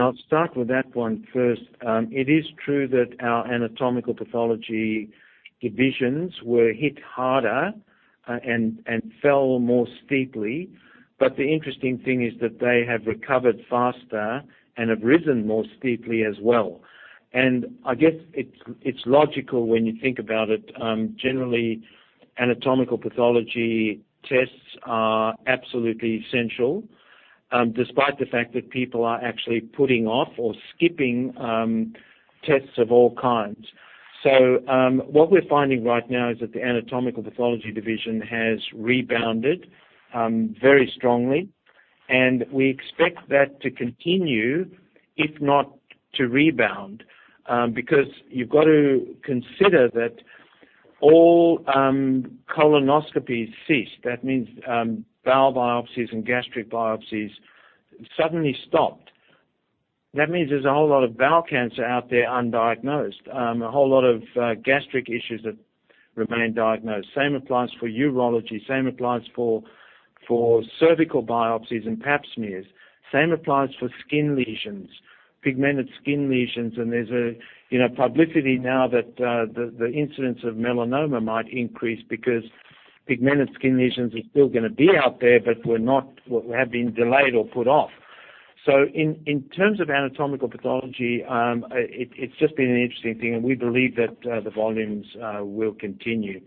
I'll start with that one first. It is true that our anatomical pathology divisions were hit harder and fell more steeply. The interesting thing is that they have recovered faster and have risen more steeply as well. I guess it's logical when you think about it, generally, anatomical pathology tests are absolutely essential, despite the fact that people are actually putting off or skipping tests of all kinds. What we're finding right now is that the anatomical pathology division has rebounded very strongly, and we expect that to continue, if not to rebound. Because you've got to consider that all colonoscopies ceased. That means bowel biopsies and gastric biopsies suddenly stopped. That means there's a whole lot of bowel cancer out there undiagnosed, a whole lot of gastric issues that remain diagnosed. Same applies for urology, same applies for cervical biopsies and Pap smears. Same applies for skin lesions, pigmented skin lesions, and there's publicity now that the incidence of melanoma might increase because pigmented skin lesions are still going to be out there, but have been delayed or put off. In terms of anatomical pathology, it's just been an interesting thing, and we believe that the volumes will continue.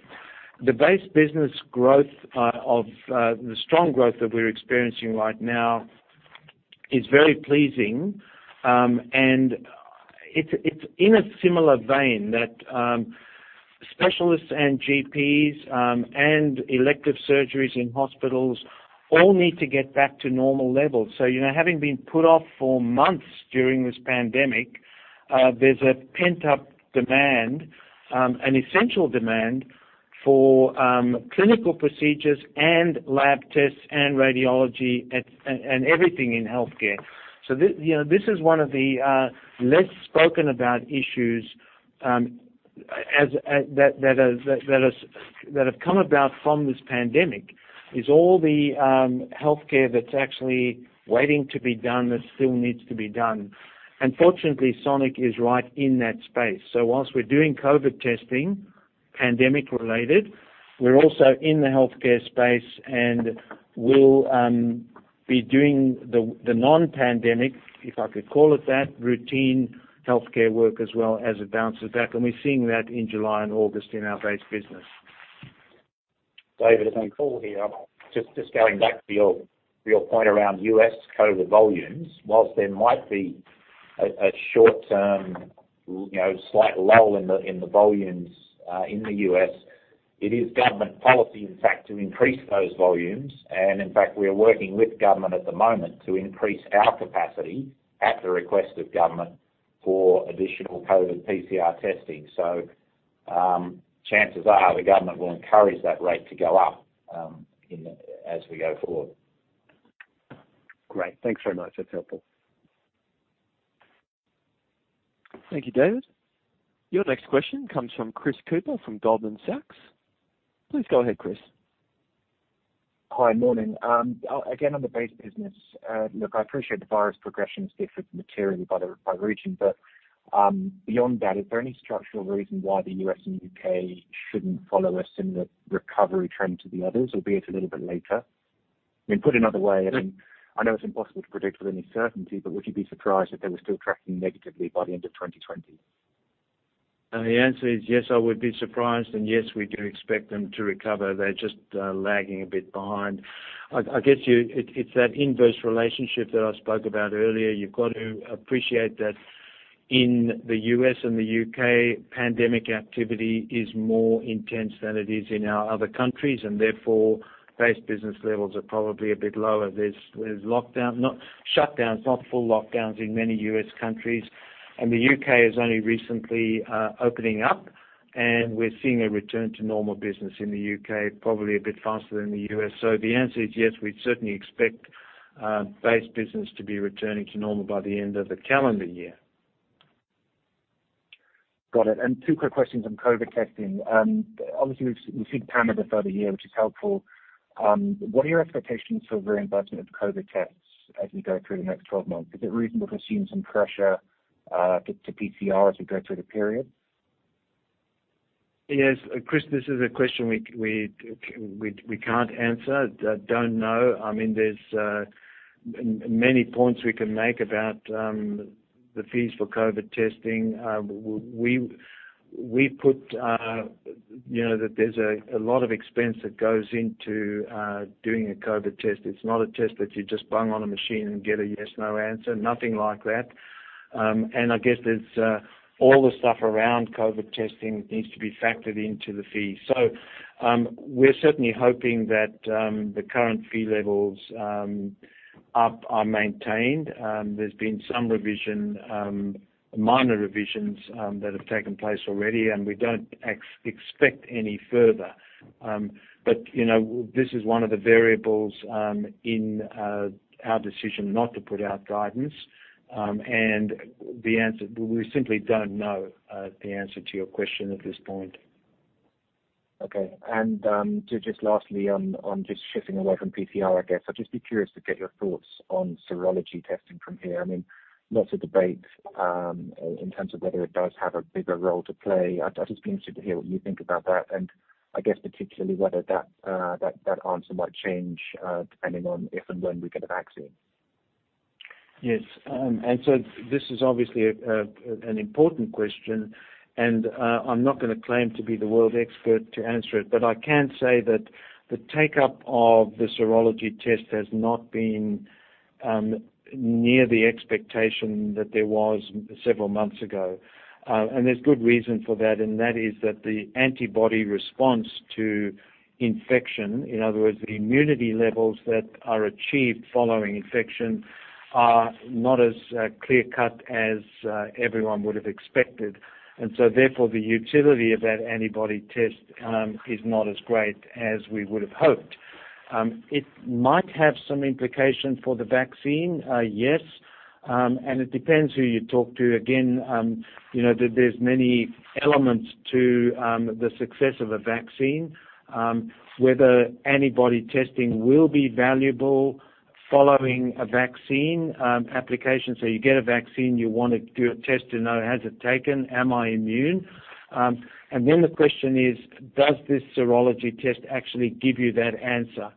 The base business growth of the strong growth that we're experiencing right now is very pleasing. It's in a similar vein that specialists and GPs, and elective surgeries in hospitals all need to get back to normal levels. Having been put off for months during this pandemic, there's a pent-up demand, an essential demand for clinical procedures and lab tests and radiology and everything in healthcare. This is one of the less spoken about issues that have come about from this pandemic, is all the healthcare that's actually waiting to be done that still needs to be done. Fortunately, Sonic is right in that space. Whilst we're doing COVID testing, pandemic-related, we're also in the healthcare space, and we'll be doing the non-pandemic, if I could call it that, routine healthcare work as well as it bounces back. We're seeing that in July and August in our base business. David, [I'm Paul here], just going back to your point around U.S. COVID volumes, whilst there might be a short-term slight lull in the volumes in the U.S., it is government policy, in fact, to increase those volumes. In fact, we are working with government at the moment to increase our capacity at the request of government for additional COVID PCR testing. Chances are the government will encourage that rate to go up as we go forward. Great. Thanks very much. That's helpful. Thank you, David. Your next question comes from Chris Cooper from Goldman Sachs. Please go ahead, Chris. Hi. Morning. Again, on the base business. Look, I appreciate the virus progression is different materially by region, but, beyond that, is there any structural reason why the U.S. and U.K. shouldn't follow a similar recovery trend to the others, albeit a little bit later? Put another way, I know it's impossible to predict with any certainty, but would you be surprised if they were still tracking negatively by the end of 2020? The answer is yes, I would be surprised and yes, we do expect them to recover. They're just lagging a bit behind. I guess it's that inverse relationship that I spoke about earlier. You've got to appreciate that in the U.S. and the U.K., pandemic activity is more intense than it is in our other countries, and therefore, base business levels are probably a bit lower. There's lockdowns, not shutdowns, not full lockdowns in many U.S. countries. The U.K. is only recently opening up, and we're seeing a return to normal business in the U.K., probably a bit faster than the U.S. The answer is yes, we'd certainly expect base business to be returning to normal by the end of the calendar year. Got it. Two quick questions on COVID testing. Obviously, we've seen pandemic for over a year, which is helpful. What are your expectations for reimbursement of COVID tests as we go through the next 12 months? Is it reasonable to assume some pressure to PCR as we go through the period? Yes, Chris, this is a question we can't answer. Don't know. There's many points we can make about the fees for COVID testing. There's a lot of expense that goes into doing a COVID test. It's not a test that you just bang on a machine and get a yes, no answer. Nothing like that. I guess there's all the stuff around COVID testing that needs to be factored into the fee. We're certainly hoping that the current fee levels are maintained. There's been some revision, minor revisions, that have taken place already, and we don't expect any further. This is one of the variables in our decision not to put out guidance. We simply don't know the answer to your question at this point. Okay. Just lastly, on just shifting away from PCR, I guess I'd just be curious to get your thoughts on serology testing from here. Lots of debates in terms of whether it does have a bigger role to play. I'd just be interested to hear what you think about that, and I guess particularly whether that answer might change depending on if and when we get a vaccine? Yes. This is obviously an important question, and I'm not going to claim to be the world expert to answer it. I can say that the take-up of the serology test has not been near the expectation that there was several months ago. There's good reason for that, and that is that the antibody response to infection, in other words, the immunity levels that are achieved following infection, are not as clear-cut as everyone would have expected. Therefore, the utility of that antibody test is not as great as we would have hoped. It might have some implication for the vaccine, yes. It depends who you talk to. Again, there's many elements to the success of a vaccine, whether antibody testing will be valuable following a vaccine application. You get a vaccine, you want to do a test to know, has it taken? Am I immune? The question is, does this serology test actually give you that answer?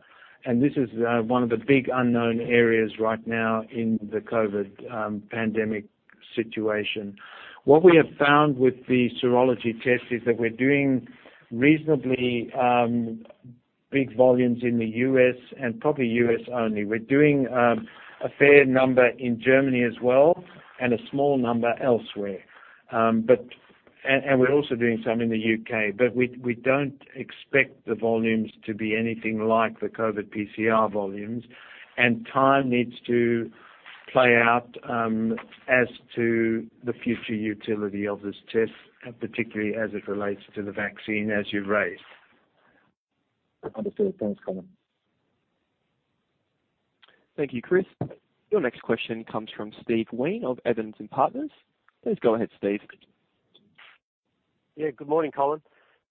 This is one of the big unknown areas right now in the COVID pandemic situation. What we have found with the serology test is that we're doing reasonably big volumes in the U.S. and probably U.S. only. We're doing a fair number in Germany as well and a small number elsewhere. We're also doing some in the U.K. We don't expect the volumes to be anything like the COVID PCR volumes, and time needs to play out as to the future utility of this test, particularly as it relates to the vaccine as you've raised. Understood. Thanks, Colin. Thank you, Chris. Your next question comes from Steve Wheen of Evans and Partners. Please go ahead, Steve. Yeah. Good morning, Colin.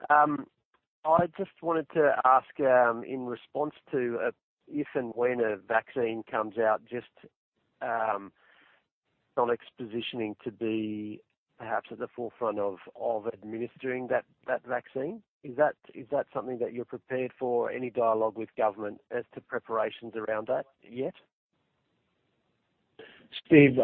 I just wanted to ask in response to if and when a vaccine comes out, just Sonic's positioning to be perhaps at the forefront of administering that vaccine. Is that something that you're prepared for? Any dialogue with government as to preparations around that yet? Steve,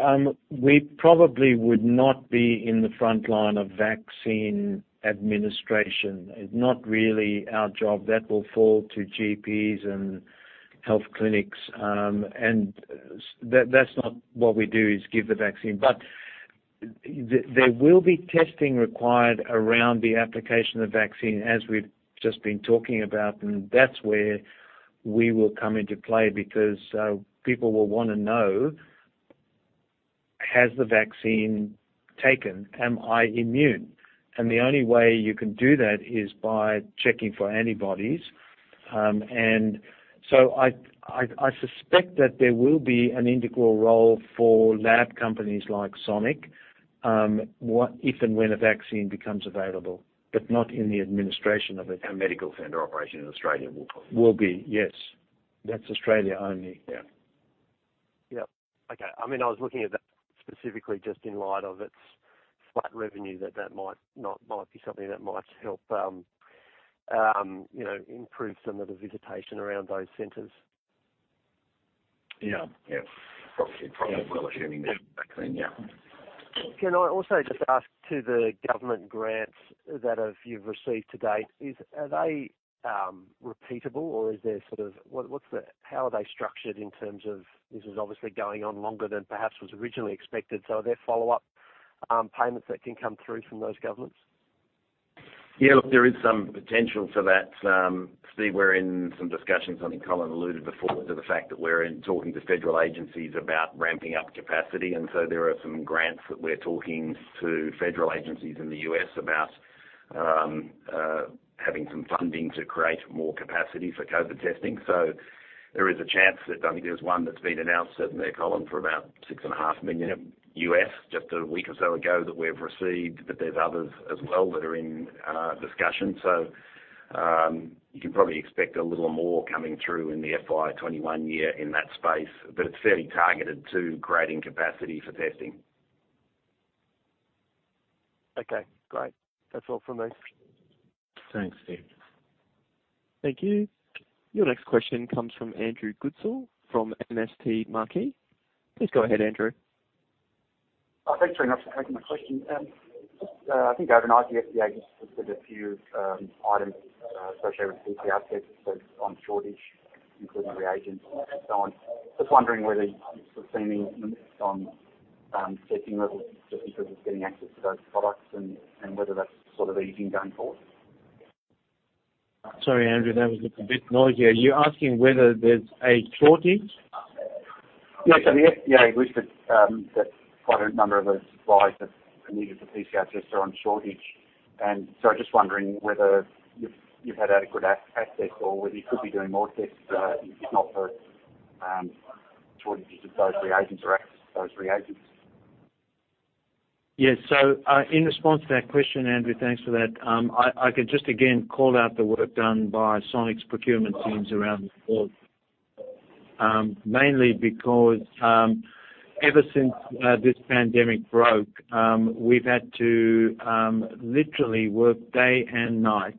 we probably would not be in the frontline of vaccine administration. It's not really our job. That will fall to GPs and health clinics. That's not what we do, is give the vaccine. There will be testing required around the application of the vaccine, as we've just been talking about, and that's where we will come into play because people will want to know, has the vaccine taken? Am I immune? The only way you can do that is by checking for antibodies. I suspect that there will be an integral role for lab companies like Sonic, if and when a vaccine becomes available, but not in the administration of it. Our medical center operation in Australia will. Will be, yes. That's Australia only. Yeah. Yep. Okay. I was looking at that specifically just in light of its flat revenue that might be something that might help improve some of the visitation around those centers. Yeah. Probably assuming the vaccine, yeah. Can I also just ask to the government grants that you've received to date, are they repeatable or how are they structured in terms of, this is obviously going on longer than perhaps was originally expected, so are there follow-up payments that can come through from those governments? Look, there is some potential for that. Steve, we're in some discussions, I think Colin alluded before to the fact that we're talking to federal agencies about ramping up capacity. There are some grants that we're talking to federal agencies in the U.S. about having some funding to create more capacity for COVID testing. There is a chance that, I think there's one that's been announced, certainly, Colin, for about $6.5 million just a week or so ago that we've received, but there's others as well that are in discussion. You can probably expect a little more coming through in the FY 2021 year in that space. It's fairly targeted to creating capacity for testing. Okay, great. That's all from me. Thanks, Steve. Thank you. Your next question comes from Andrew Goodsall from MST Marquee. Please go ahead, Andrew. Thanks very much for taking my question. Just, I think overnight the FDA just listed a few items associated with PCR tests on shortage, including reagents and so on. Just wondering whether you're sustaining on testing levels just in terms of getting access to those products and whether that's easing going forward? Sorry, Andrew, that was a bit noisy. Are you asking whether there's a shortage? Yeah, the FDA listed that quite a number of the supplies that are needed for PCR tests are on shortage. Just wondering whether you've had adequate access or whether you could be doing more tests, if not for shortages of those reagents or access to those reagents. Yeah, in response to that question, Andrew, thanks for that. I can just again call out the work done by Sonic's procurement teams around the world. Mainly because, ever since this pandemic broke, we've had to literally work day and night,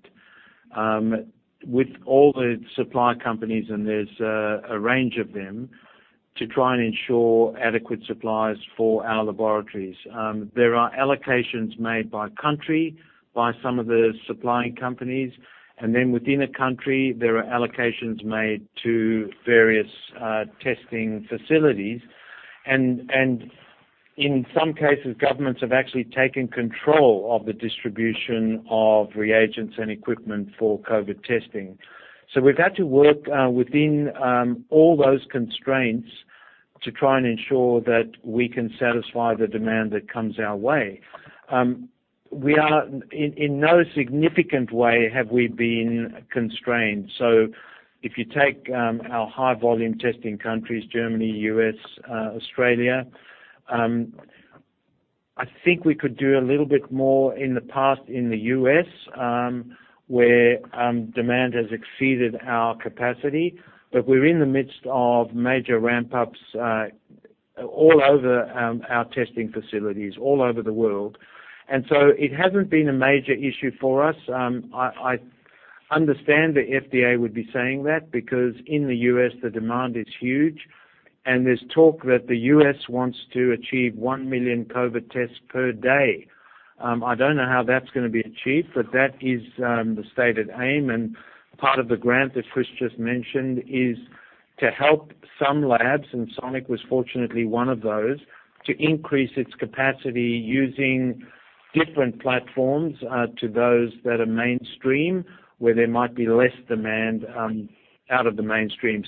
with all the supply companies, and there's a range of them, to try and ensure adequate supplies for our laboratories. There are allocations made by country, by some of the supplying companies, then within a country, there are allocations made to various testing facilities. In some cases, governments have actually taken control of the distribution of reagents and equipment for COVID testing. We've had to work within all those constraints to try and ensure that we can satisfy the demand that comes our way. In no significant way have we been constrained. If you take our high volume testing countries, Germany, U.S., Australia, I think we could do a little bit more in the past in the U.S., where demand has exceeded our capacity. We're in the midst of major ramp-ups all over our testing facilities, all over the world. It hasn't been a major issue for us. I understand the FDA would be saying that, because in the U.S., the demand is huge, and there's talk that the U.S. wants to achieve 1 million COVID tests per day. I don't know how that's going to be achieved, but that is the stated aim, and part of the grant that Chris just mentioned is to help some labs, and Sonic was fortunately one of those, to increase its capacity using different platforms to those that are mainstream, where there might be less demand out of the mainstream.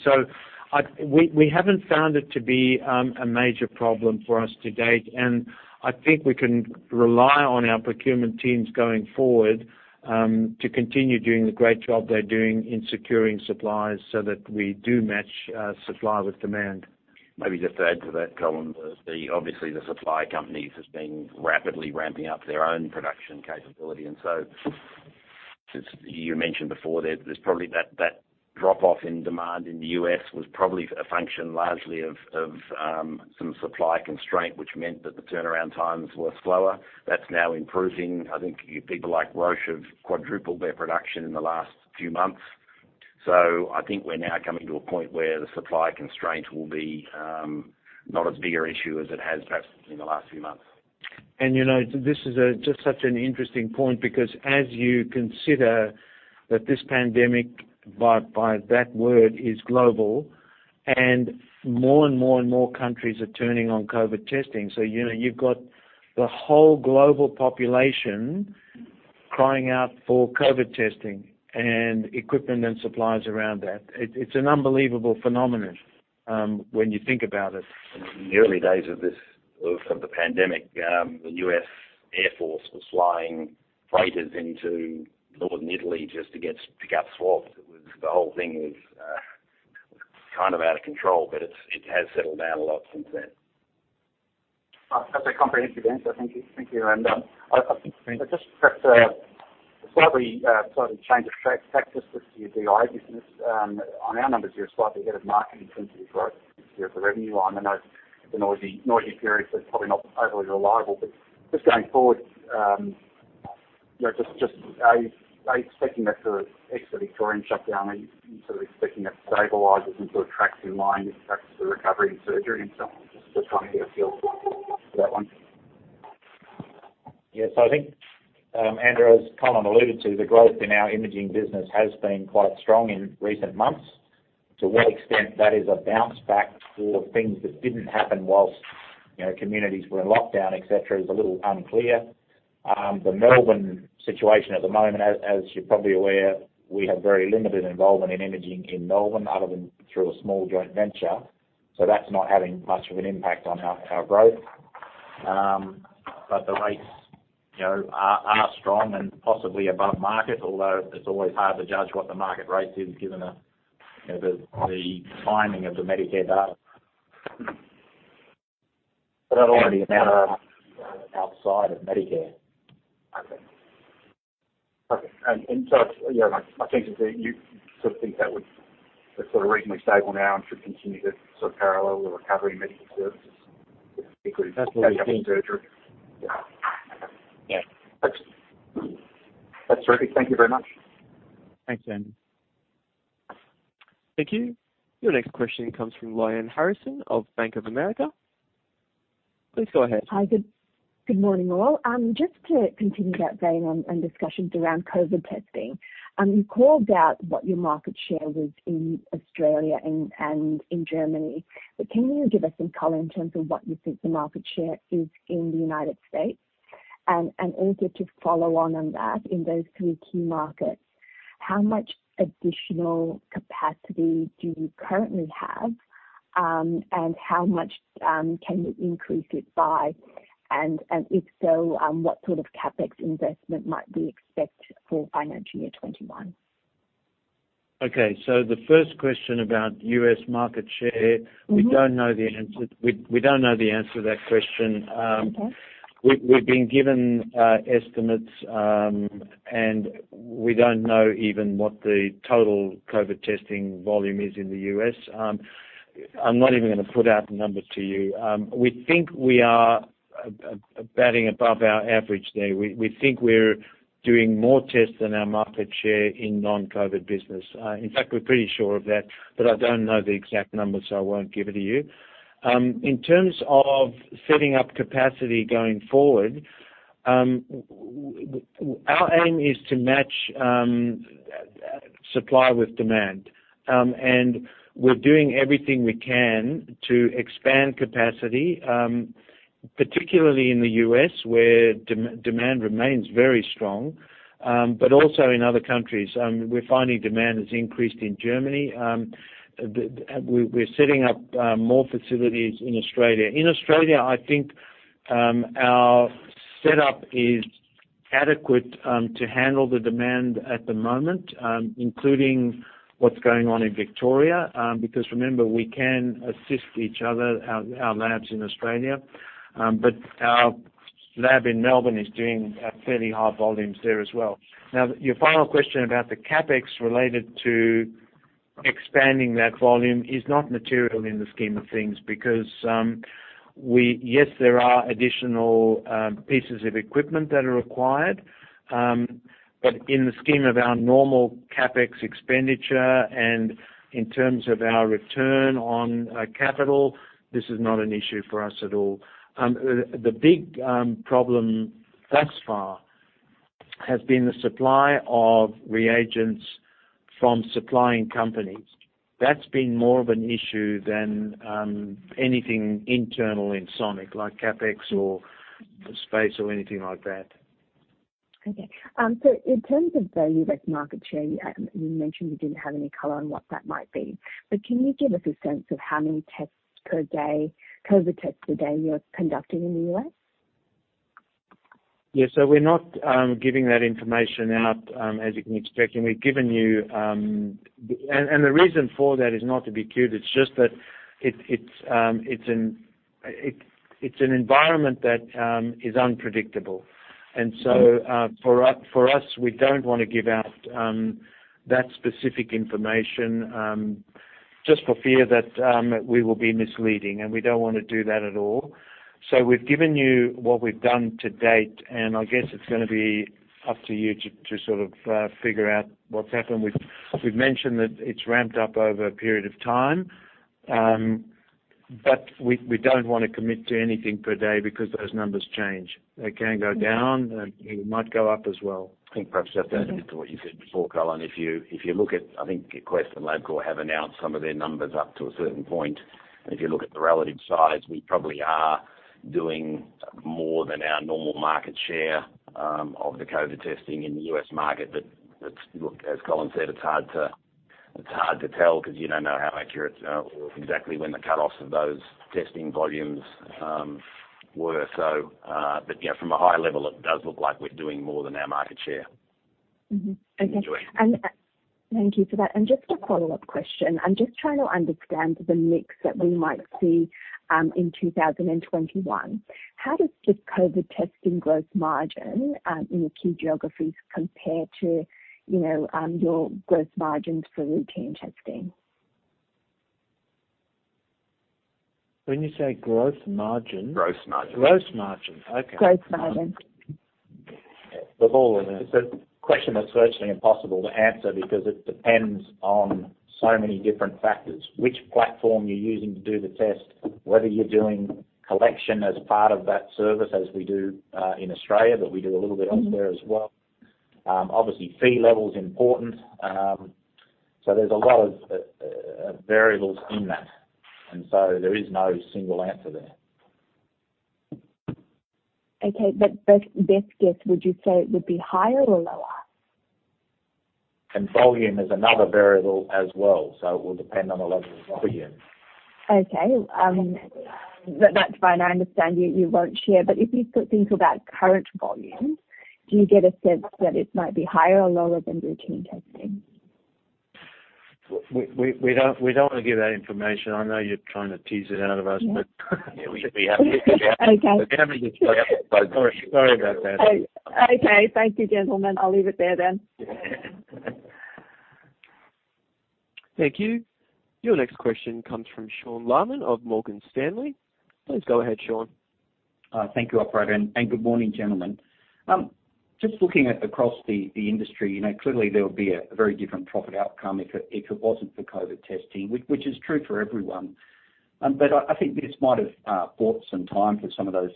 We haven't found it to be a major problem for us to date, and I think we can rely on our procurement teams going forward, to continue doing the great job they're doing in securing supplies so that we do match supply with demand. Maybe just to add to that, Colin, obviously the supply companies have been rapidly ramping up their own production capability. Since you mentioned before, there's probably that drop-off in demand in the U.S. was probably a function largely of some supply constraint, which meant that the turnaround times was slower. That's now improving. I think people like Roche have quadrupled their production in the last few months. I think we're now coming to a point where the supply constraint will be not as big an issue as it has perhaps in the last few months. This is just such an interesting point because as you consider that this pandemic, by that word, is global, and more and more and more countries are turning on COVID testing. You've got the whole global population crying out for COVID testing and equipment and supplies around that. It's an unbelievable phenomenon when you think about it. In the early days of the pandemic, the U.S. Air Force was flying freighters into northern Italy just to pick up swabs. The whole thing was kind of out of control. It has settled down a lot since then. That's a comprehensive answer. Thank you. I think just perhaps a slightly change of track, perhaps just to your DI business. On our numbers, you're slightly ahead of market in terms of your growth here at the revenue line. I know it's a noisy period, so it's probably not overly reliable. Just going forward, just are you expecting that the extra Victorian shutdown, are you sort of expecting it stabilizes into a track in line with perhaps the recovery in surgery and so on? Just trying to get a feel for that one. Yes, I think, Andrew, as Colin alluded to, the growth in our imaging business has been quite strong in recent months. To what extent that is a bounce back for things that didn't happen whilst communities were in lockdown, et cetera, is a little unclear. The Melbourne situation at the moment, as you're probably aware, we have very limited involvement in imaging in Melbourne other than through a small joint venture, so that's not having much of an impact on our growth. The rates are strong and possibly above market, although it's always hard to judge what the market rate is given the timing of the Medicare data. Not all the amount outside of Medicare. Okay. My thinking is that you sort of think that would sort of reasonably stable now and should continue to sort of parallel the recovery in medical services, particularly- That's what we think. surgery? Yeah. Okay. That's terrific. Thank you very much. Thanks, Andrew. Thank you. Your next question comes from Lyanne Harrison of Bank of America. Please go ahead. Hi, good morning, all. Just to continue that vein on discussions around COVID testing. You called out what your market share was in Australia and in Germany, but can you give us some color in terms of what you think the market share is in the United States? Also to follow on on that, in those three key markets, how much additional capacity do you currently have? How much can you increase it by? If so, what sort of CapEx investment might we expect for financial year 2021? Okay, the first question about U.S. market share. We don't know the answer to that question. Okay. We've been given estimates, and we don't know even what the total COVID testing volume is in the U.S. I'm not even going to put out the numbers to you. We think we are batting above our average there. We think we're doing more tests than our market share in non-COVID business. In fact, we're pretty sure of that, but I don't know the exact numbers, so I won't give it to you. In terms of setting up capacity going forward, our aim is to match supply with demand. We're doing everything we can to expand capacity, particularly in the U.S., where demand remains very strong, but also in other countries. We're finding demand has increased in Germany. We're setting up more facilities in Australia. In Australia, I think our setup is adequate to handle the demand at the moment, including what's going on in Victoria, because remember, we can assist each other, our labs in Australia. Our lab in Melbourne is doing fairly high volumes there as well. Now, your final question about the CapEx related to expanding that volume is not material in the scheme of things because, yes, there are additional pieces of equipment that are required, but in the scheme of our normal CapEx expenditure and in terms of our return on capital, this is not an issue for us at all. The big problem thus far has been the supply of reagents from supplying companies. That's been more of an issue than anything internal in Sonic, like CapEx or space or anything like that. Okay. In terms of the U.S. market share, you mentioned you didn't have any color on what that might be, can you give us a sense of how many tests per day, COVID tests per day you're conducting in the U.S.? Yeah, we're not giving that information out, as you can expect. We've given you. The reason for that is not to be cute, it's just that it's an environment that is unpredictable. For us, we don't want to give out that specific information, just for fear that we will be misleading, and we don't want to do that at all. We've given you what we've done to date, and I guess it's going to be up to you to sort of figure out what's happened. We've mentioned that it's ramped up over a period of time. We don't want to commit to anything per day because those numbers change. They can go down, and they might go up as well. I think perhaps just to add a bit to what you said before, Colin, if you look at Quest Diagnostics and LabCorp have announced some of their numbers up to a certain point. If you look at the relative size, we probably are doing more than our normal market share of the COVID testing in the U.S. market. Look, as Colin said, it's hard to tell because you don't know how accurate or exactly when the cutoffs of those testing volumes were. Yeah, from a high level, it does look like we're doing more than our market share. Mm-hmm. Okay. Lyanne. Thank you for that. Just a follow-up question. I'm just trying to understand the mix that we might see in 2021. How does the COVID testing gross margin in the key geographies compare to your gross margins for routine testing? When you say gross margin? Gross margin. Gross margin. Okay. Gross margin. [Lyanne], I mean, it's a question that's virtually impossible to answer because it depends on so many different factors. Which platform you're using to do the test, whether you're doing collection as part of that service as we do in Australia, but we do a little bit elsewhere as well. Obviously, fee level's important. There's a lot of variables in that. There is no single answer there. Okay, best guess, would you say it would be higher or lower? Volume is another variable as well, so it will depend on the level of volume. Okay. That's fine. I understand you won't share. If you're thinking about current volumes, do you get a sense that it might be higher or lower than routine testing? We don't want to give that information. I know you're trying to tease it out of us. Yeah, we haven't- Okay. We haven't disclosed that. Sorry. Sorry about that. Okay. Thank you, gentlemen. I'll leave it there then. Thank you. Your next question comes from Sean Laaman of Morgan Stanley. Please go ahead, Sean. Thank you, operator, and good morning, gentlemen. Just looking at across the industry, clearly, there would be a very different profit outcome if it wasn't for COVID testing, which is true for everyone. I think this might have bought some time for some of those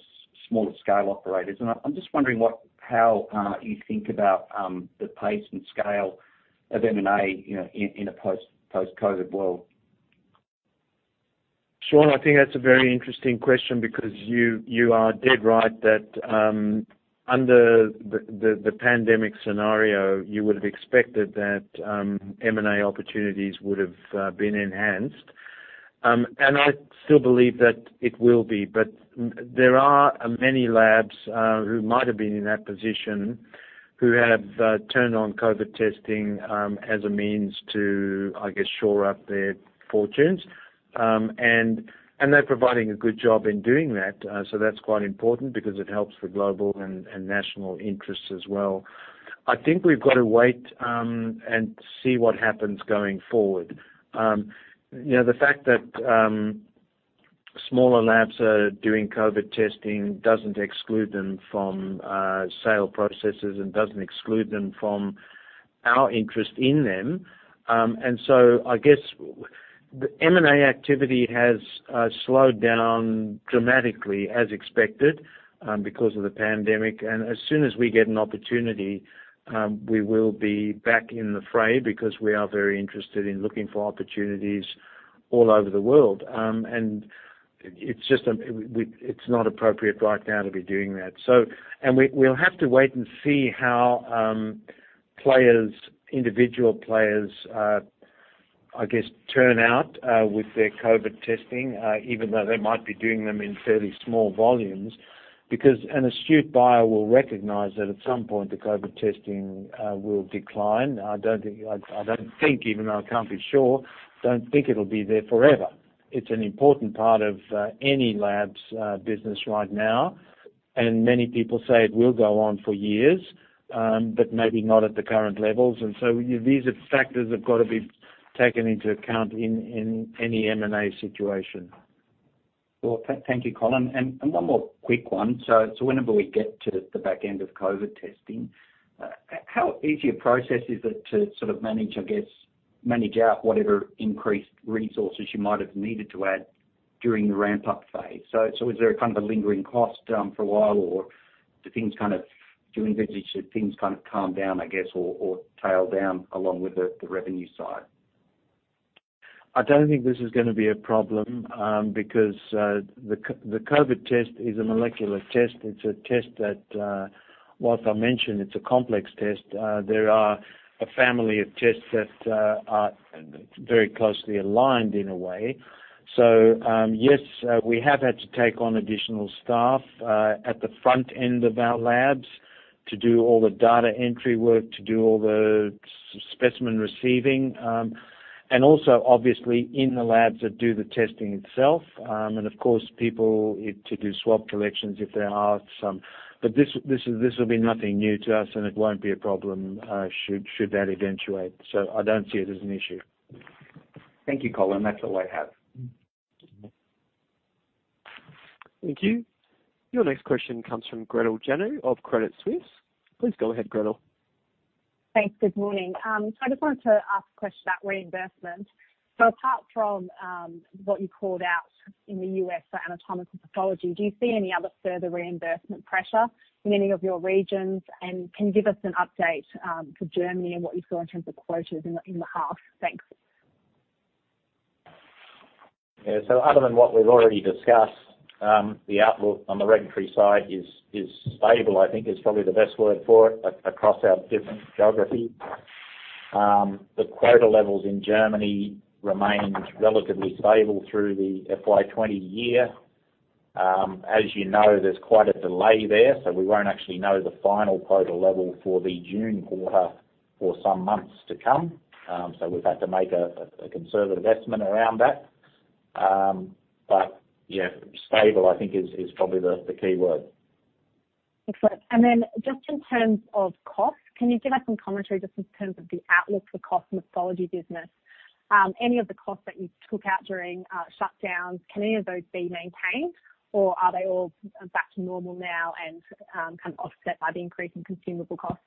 smaller scale operators. I'm just wondering how you think about the pace and scale of M&A in a post-COVID world? Sean, I think that's a very interesting question because you are dead right that under the pandemic scenario, you would've expected that M&A opportunities would've been enhanced. I still believe that it will be, but there are many labs who might have been in that position who have turned on COVID testing as a means to, I guess, shore up their fortunes. They're providing a good job in doing that, so that's quite important because it helps the global and national interests as well. I think we've got to wait and see what happens going forward. The fact that smaller labs are doing COVID testing doesn't exclude them from sale processes and doesn't exclude them from our interest in them. I guess M&A activity has slowed down dramatically as expected because of the pandemic, and as soon as we get an opportunity, we will be back in the fray because we are very interested in looking for opportunities all over the world. It's not appropriate right now to be doing that. We'll have to wait and see how individual players, I guess, turn out with their COVID testing, even though they might be doing them in fairly small volumes. An astute buyer will recognize that at some point, the COVID testing will decline. I don't think, even though I can't be sure, don't think it'll be there forever. It's an important part of any lab's business right now, and many people say it will go on for years, but maybe not at the current levels. These are factors that've got to be taken into account in any M&A situation. Well, thank you, Colin. One more quick one. Whenever we get to the back end of COVID testing, how easy a process is it to sort of manage, I guess, manage out whatever increased resources you might have needed to add during the ramp-up phase? Is there a kind of a lingering cost for a while, or do things kind of calm down, I guess, or tail down along with the revenue side? I don't think this is gonna be a problem, because the COVID test is a molecular test. It's a test that, while I mentioned it's a complex test, there are a family of tests that are very closely aligned in a way. Yes, we have had to take on additional staff at the front end of our labs. To do all the data entry work, to do all the specimen receiving, and also obviously in the labs that do the testing itself, and of course, people to do swab collections if there are some. This will be nothing new to us, and it won't be a problem, should that eventuate. I don't see it as an issue. Thank you, Colin. That's all I have. Thank you. Your next question comes from Gretel Janu of Credit Suisse. Please go ahead, Gretel. Thanks. Good morning. I just wanted to ask a question about reimbursement. Apart from what you called out in the U.S. for anatomical pathology, do you see any other further reimbursement pressure in any of your regions? Can you give us an update for Germany and what you saw in terms of quotas in the half? Thanks. Yeah. Other than what we've already discussed, the outlook on the regulatory side is stable, I think is probably the best word for it, across our different geographies. The quota levels in Germany remained relatively stable through the FY 2020 year. As you know, there's quite a delay there, so we won't actually know the final quota level for the June quarter for some months to come. We've had to make a conservative estimate around that. Yeah, stable, I think is probably the key word. Excellent. Then just in terms of cost, can you give us some commentary just in terms of the outlook for cost in the pathology business? Any of the costs that you took out during shutdowns, can any of those be maintained, or are they all back to normal now and kind of offset by the increase in consumable costs?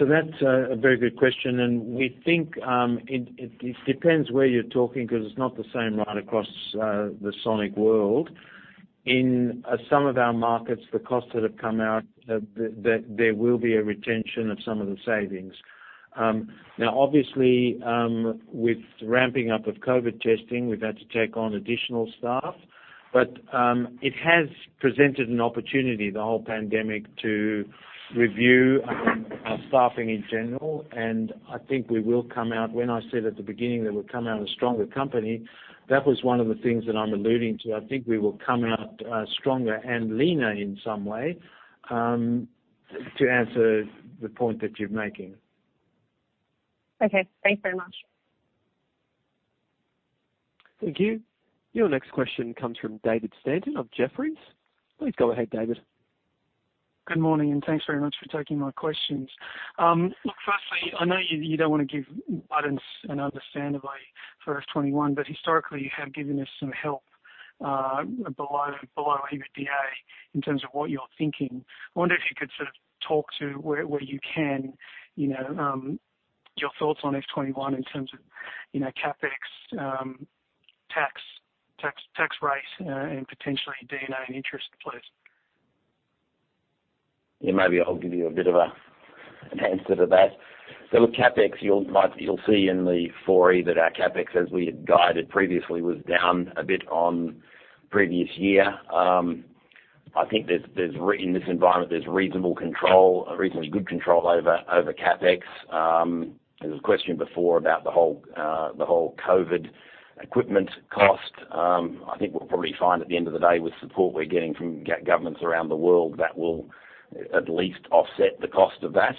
That's a very good question, and we think it depends where you're talking because it's not the same right across the Sonic world. In some of our markets, the costs that have come out, there will be a retention of some of the savings. Obviously, with ramping up of COVID testing, we've had to take on additional staff. It has presented an opportunity, the whole pandemic, to review our staffing in general. When I said at the beginning that we'll come out a stronger company, that was one of the things that I'm alluding to. I think we will come out stronger and leaner in some way, to answer the point that you're making. Okay. Thanks very much. Thank you. Your next question comes from David Stanton of Jefferies. Please go ahead, David. Good morning. Thanks very much for taking my questions. Firstly, I know you don't want to give guidance and understandably for FY 2021, but historically, you have given us some help below EBITDA in terms of what you're thinking. I wonder if you could sort of talk to, where you can, your thoughts on FY 2021 in terms of CapEx, tax rate, and potentially D&A and interest, please. Maybe I'll give you a bit of an answer to that. CapEx, you'll see in the 4E that our CapEx, as we had guided previously, was down a bit on previous year. I think in this environment, there's reasonable control, reasonably good control over CapEx. There was a question before about the whole COVID equipment cost. I think we'll probably find at the end of the day with support we're getting from governments around the world that will at least offset the cost of that.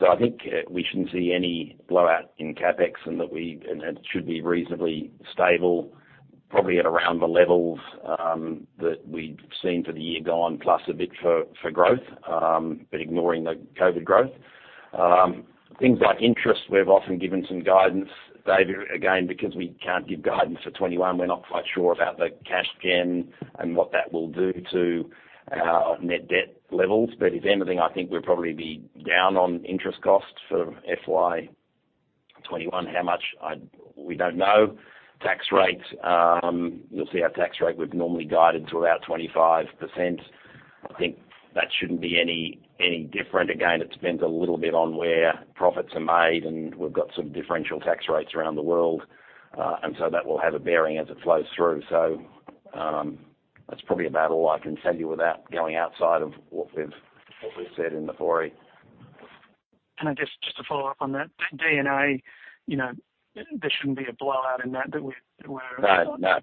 I think we shouldn't see any blowout in CapEx, and it should be reasonably stable, probably at around the levels that we've seen for the year gone, plus a bit for growth, but ignoring the COVID growth. Things like interest, we've often given some guidance, David. Again, because we can't give guidance for 2021, we're not quite sure about the cash gen and what that will do to our net debt levels. If anything, I think we'll probably be down on interest costs for FY 2021. How much? We don't know. Tax rates, you'll see our tax rate, we've normally guided to about 25%. I think that shouldn't be any different. Again, it depends a little bit on where profits are made, and we've got some differential tax rates around the world. That will have a bearing as it flows through. That's probably about all I can tell you without going outside of what we've said in the 4E. Just to follow-up on that, D&A, there shouldn't be a blowout in that that.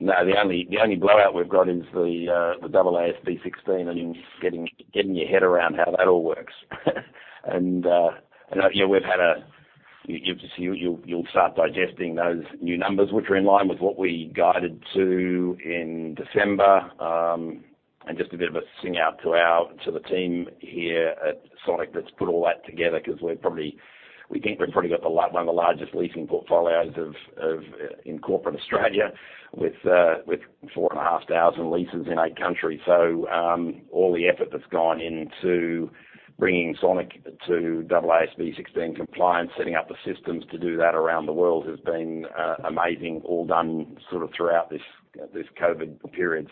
No. The only blowout we've got is the AASB 16 and getting your head around how that all works. Yeah, you'll start digesting those new numbers, which are in line with what we guided to in December. Just a bit of a sing out to the team here at Sonic that's put all that together, because we think we've probably got one of the largest leasing portfolios in corporate Australia with 4,500 leases in eight countries. All the effort that's gone into bringing Sonic to AASB 16 compliance, setting up the systems to do that around the world has been amazing, all done sort of throughout this COVID period.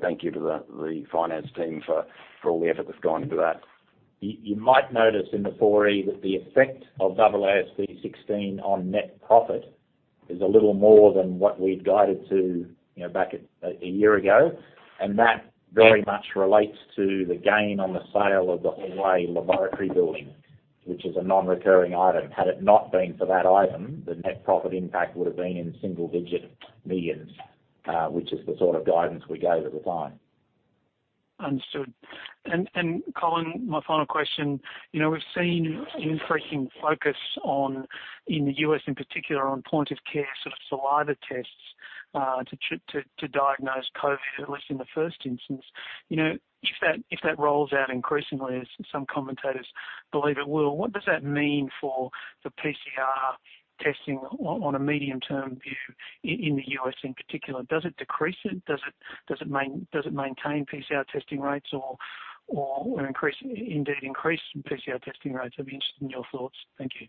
Thank you to the finance team for all the effort that's gone into that. You might notice in the 4E that the effect of AASB 16 on net profit is a little more than what we'd guided to back a year ago. That very much relates to the gain on the sale of the Hawaii laboratory building which is a non-recurring item. Had it not been for that item, the net profit impact would've been in single-digit millions, which is the sort of guidance we gave at the time. Understood. Colin, my final question, we've seen increasing focus on, in the U.S. in particular, on point-of-care sort of saliva tests to diagnose COVID, at least in the first instance. If that rolls out increasingly as some commentators believe it will, what does that mean for the PCR testing on a medium-term view in the U.S. in particular? Does it decrease it? Does it maintain PCR testing rates or indeed increase PCR testing rates? I'd be interested in your thoughts. Thank you.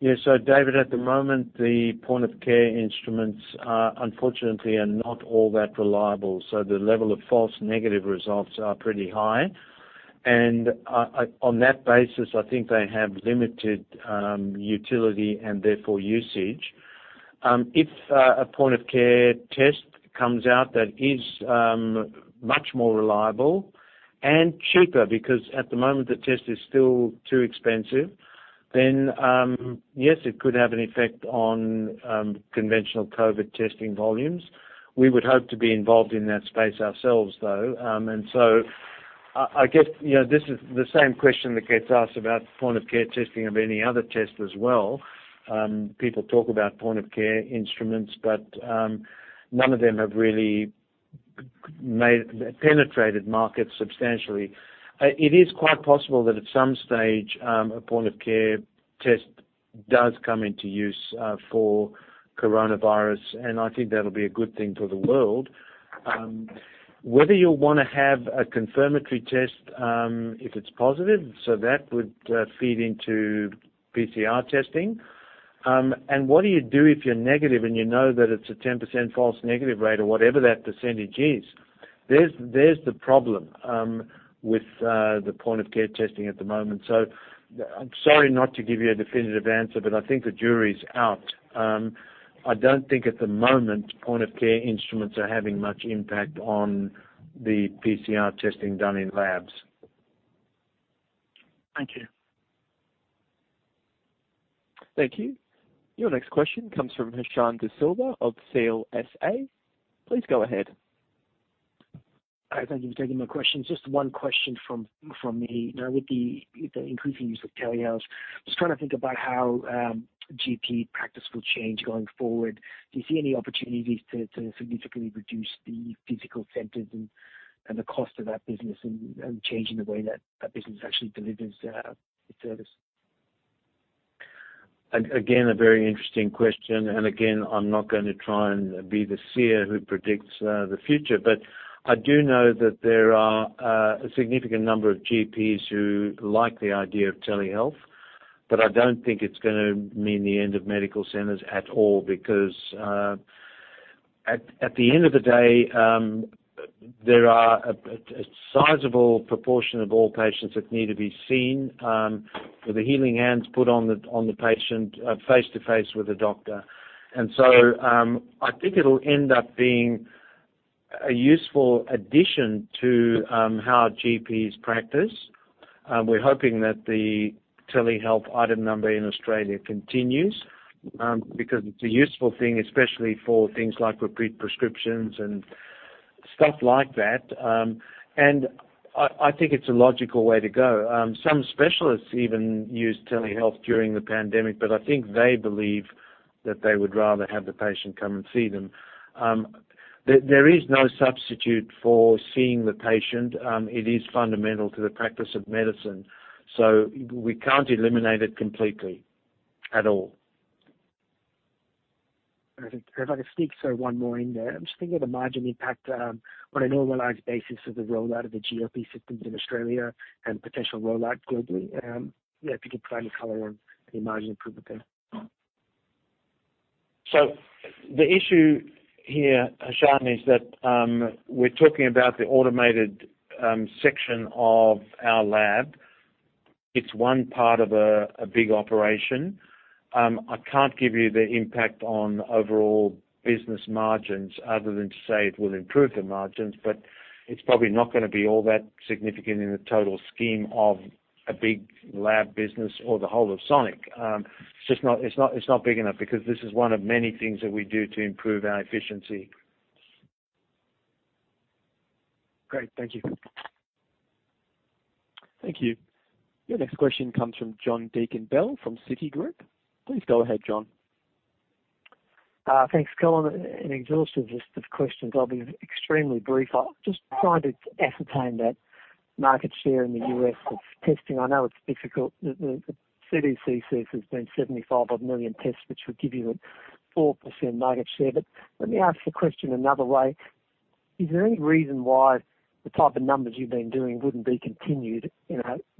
Yeah. David, at the moment, the point-of-care instruments are unfortunately are not all that reliable, so the level of false negative results are pretty high. On that basis, I think they have limited utility, and therefore, usage. If a point-of-care test comes out that is much more reliable and cheaper, because at the moment the test is still too expensive, then, yes, it could have an effect on conventional COVID testing volumes. We would hope to be involved in that space ourselves, though. I guess, this is the same question that gets asked about point-of-care testing of any other test as well. People talk about point-of-care instruments, but none of them have really penetrated markets substantially. It is quite possible that at some stage, a point-of-care test does come into use for coronavirus, and I think that'll be a good thing for the world. Whether you'll want to have a confirmatory test, if it's positive, so that would feed into PCR testing. What do you do if you're negative and you know that it's a 10% false negative rate or whatever that percentage is? There's the problem with the point-of-care testing at the moment. I'm sorry not to give you a definitive answer, but I think the jury's out. I don't think at the moment point-of-care instruments are having much impact on the PCR testing done in labs. Thank you. Thank you. Your next question comes from Hashan De Silva of CLSA. Please go ahead. Hi, thank you for taking my questions. Just one question from me. Now with the increasing use of telehealth, just trying to think about how GP practice will change going forward. Do you see any opportunities to significantly reduce the physical centers and the cost of that business and changing the way that that business actually delivers its service? A very interesting question, and again, I'm not going to try and be the seer who predicts the future. I do know that there are a significant number of GPs who like the idea of telehealth, but I don't think it's going to mean the end of medical centers at all because, at the end of the day, there are a sizable proportion of all patients that need to be seen, with healing hands put on the patient face-to-face with a doctor. I think it'll end up being a useful addition to how GPs practice. We're hoping that the telehealth item number in Australia continues, because it's a useful thing, especially for things like repeat prescriptions and stuff like that. I think it's a logical way to go. Some specialists even used telehealth during the pandemic. I think they believe that they would rather have the patient come and see them. There is no substitute for seeing the patient. It is fundamental to the practice of medicine. We can't eliminate it completely, at all. If I could sneak, sir, one more in there. I'm just thinking of the margin impact, on a normalized basis of the roll-out of the GLP Systems in Australia and potential roll-out globally. Yeah, if you could provide any color on the margin improvement there. The issue here, Hashan, is that we're talking about the automated section of our lab. It's one part of a big operation. I can't give you the impact on overall business margins other than to say it will improve the margins, but it's probably not gonna be all that significant in the total scheme of a big lab business or the whole of Sonic. It's not big enough because this is one of many things that we do to improve our efficiency. Great. Thank you. Thank you. Your next question comes from John Deakin-Bell from Citigroup. Please go ahead, John. Thanks, Colin. An exhaustive list of questions. I'll be extremely brief. I'll just try to ascertain that market share in the U.S. of testing. I know it's difficult. The CDC says there's been 75 odd million tests, which would give you a 4% market share. Let me ask the question another way. Is there any reason why the type of numbers you've been doing wouldn't be continued,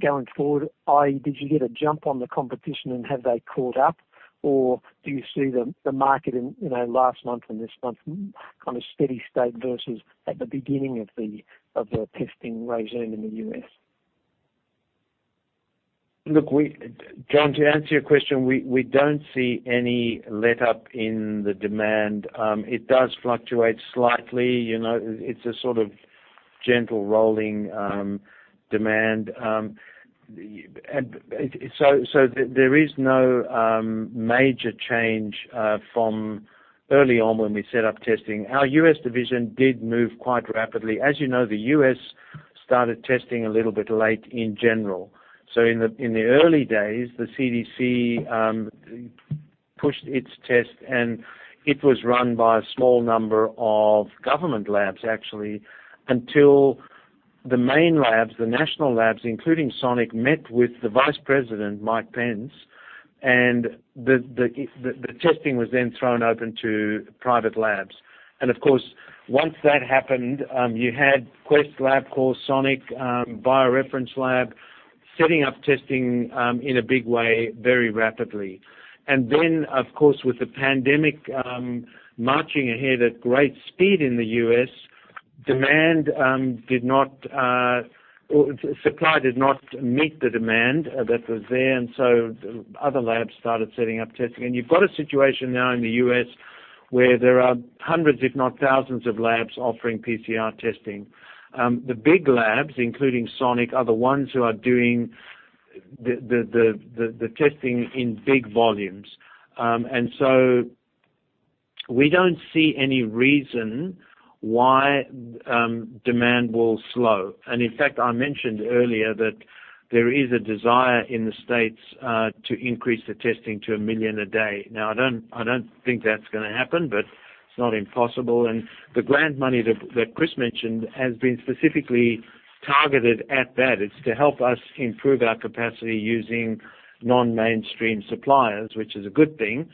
going forward, i.e., did you get a jump on the competition and have they caught up? Do you see the market in last month and this month kind of steady state versus at the beginning of the testing regime in the U.S.? Look, John, to answer your question, we don't see any letup in the demand. It does fluctuate slightly. It's a gentle rolling demand. There is no major change from early on when we set up testing. Our U.S. division did move quite rapidly. As you know, the U.S. started testing a little bit late in general. In the early days, the CDC pushed its test, and it was run by a small number of government labs, actually, until the main labs, the national labs, including Sonic, met with the Vice President, Mike Pence, and the testing was then thrown open to private labs. Of course, once that happened, you had Quest Diagnostics, LabCorp, Sonic, BioReference Laboratories, setting up testing in a big way very rapidly. Then, of course, with the pandemic marching ahead at great speed in the U.S., supply did not meet the demand that was there, and so other labs started setting up testing. You've got a situation now in the U.S. where there are hundreds, if not thousands, of labs offering PCR testing. The big labs, including Sonic, are the ones who are doing the testing in big volumes. We don't see any reason why demand will slow. In fact, I mentioned earlier that there is a desire in the States to increase the testing to 1 million a day. Now, I don't think that's going to happen, but it's not impossible. The grant money that Chris mentioned has been specifically targeted at that. It's to help us improve our capacity using non-mainstream suppliers, which is a good thing.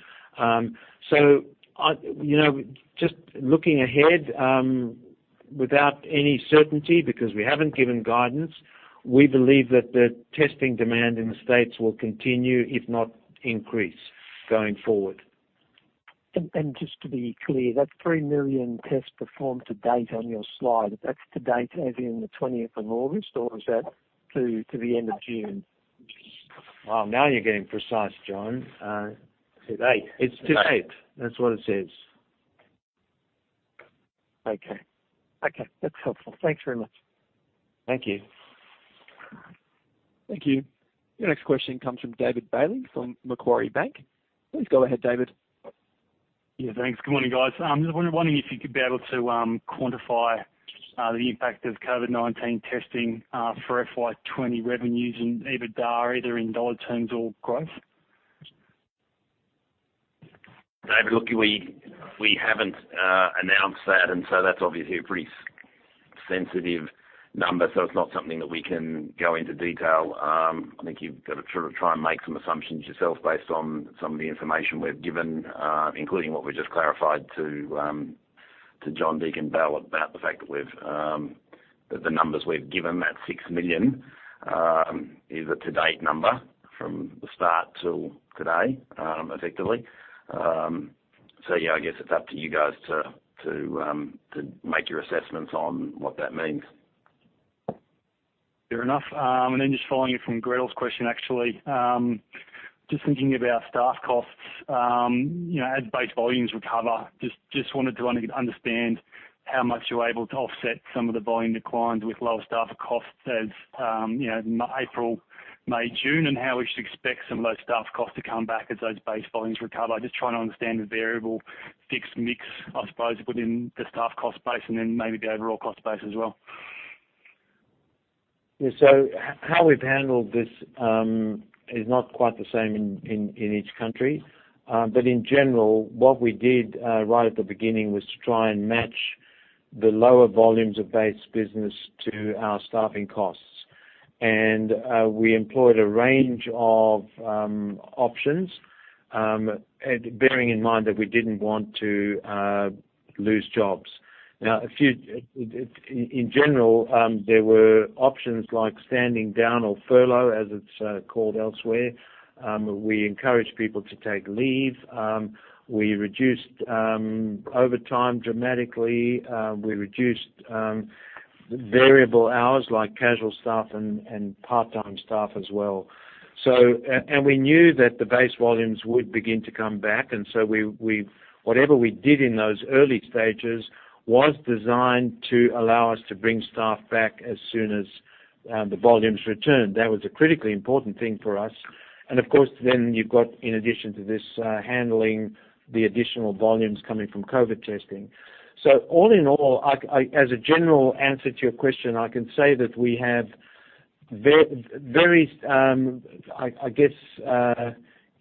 Just looking ahead, without any certainty, because we haven't given guidance, we believe that the testing demand in the U.S. will continue, if not increase, going forward. Just to be clear, that 3 million tests performed to date on your slide, that's to date as in the 20th of August, or is that to the end of June? Well, now you're getting precise, John. To date. It's to date. That's what it says. Okay. That's helpful. Thanks very much. Thank you. Thank you. Your next question comes from David Bailey from Macquarie Bank. Please go ahead, David. Yeah, thanks. Good morning, guys. I'm just wondering if you could be able to quantify the impact of COVID-19 testing for FY 2020 revenues and EBITDA, either in dollars terms or growth? David, look, we haven't announced that's obviously a pretty sensitive number. It's not something that we can go into detail. I think you've got to try and make some assumptions yourself based on some of the information we've given, including what we just clarified to John Deakin-Bell about the fact that the numbers we've given, that 6 million, is a to-date number from the start till today, effectively. Yeah, I guess it's up to you guys to make your assessments on what that means. Fair enough. Just following from Gretel's question, actually, just thinking about staff costs, as base volumes recover, just wanted to understand how much you are able to offset some of the volume declines with lower staff costs as April, May, June, and how we should expect some of those staff costs to come back as those base volumes recover. I am just trying to understand the variable fixed mix, I suppose, within the staff cost base and then maybe the overall cost base as well. Yeah. How we've handled this is not quite the same in each country. In general, what we did right at the beginning was to try and match the lower volumes of base business to our staffing costs. We employed a range of options, bearing in mind that we didn't want to lose jobs. Now, in general, there were options like standing down or furlough, as it's called elsewhere. We encouraged people to take leave. We reduced overtime dramatically. We reduced variable hours like casual staff and part-time staff as well. We knew that the base volumes would begin to come back, and so whatever we did in those early stages was designed to allow us to bring staff back as soon as the volumes returned. That was a critically important thing for us. Of course, then you've got, in addition to this, handling the additional volumes coming from COVID testing. All in all, as a general answer to your question, I can say that we have very, I guess,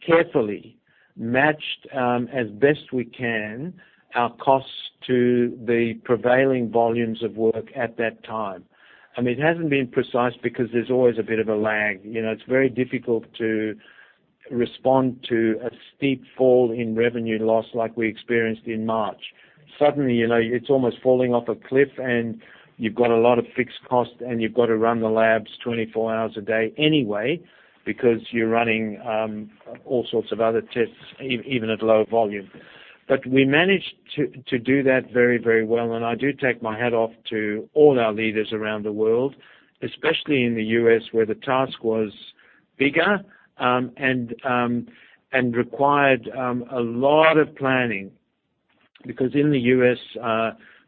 carefully matched, as best we can, our costs to the prevailing volumes of work at that time. I mean, it hasn't been precise because there's always a bit of a lag. It's very difficult to respond to a steep fall in revenue loss like we experienced in March. Suddenly, it's almost falling off a cliff, and you've got a lot of fixed costs, and you've got to run the labs 24 hours a day anyway because you're running all sorts of other tests, even at low volume. We managed to do that very, very well, and I do take my hat off to all our leaders around the world, especially in the U.S., where the task was bigger and required a lot of planning because in the U.S.,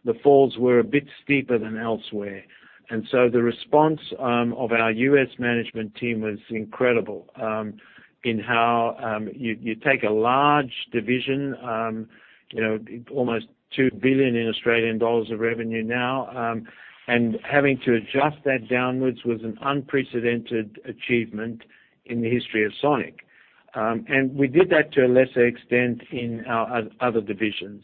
the falls were a bit steeper than elsewhere. The response of our U.S. management team was incredible in how you take a large division, almost 2 billion of revenue now, and having to adjust that downwards was an unprecedented achievement in the history of Sonic. We did that to a lesser extent in our other divisions.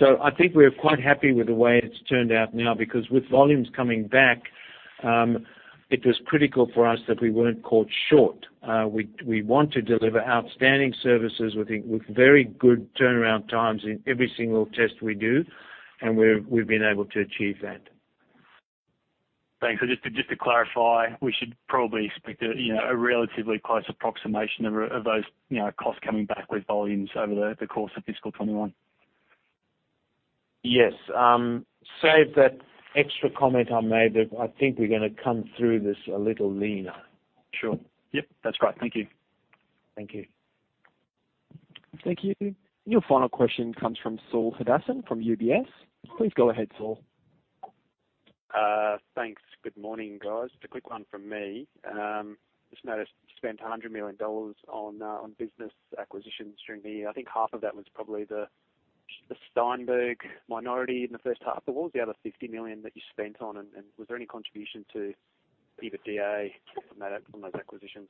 I think we're quite happy with the way it's turned out now because with volumes coming back, it was critical for us that we weren't caught short. We want to deliver outstanding services with very good turnaround times in every single test we do, and we've been able to achieve that. Thanks. Just to clarify, we should probably expect a relatively close approximation of those costs coming back with volumes over the course of fiscal 2021? Yes. Save that extra comment I made that I think we're going to come through this a little leaner. Sure. Yep. That's great. Thank you. Thank you. Thank you. Your final question comes from Saul Hadassin from UBS. Please go ahead, Saul. Thanks. Good morning, guys. Just a quick one from me. Just noticed you spent 100 million dollars on business acquisitions during the year. I think half of that was probably the Steinberg minority in the first half. What was the other 50 million that you spent on, and was there any contribution to EBITDA from those acquisitions?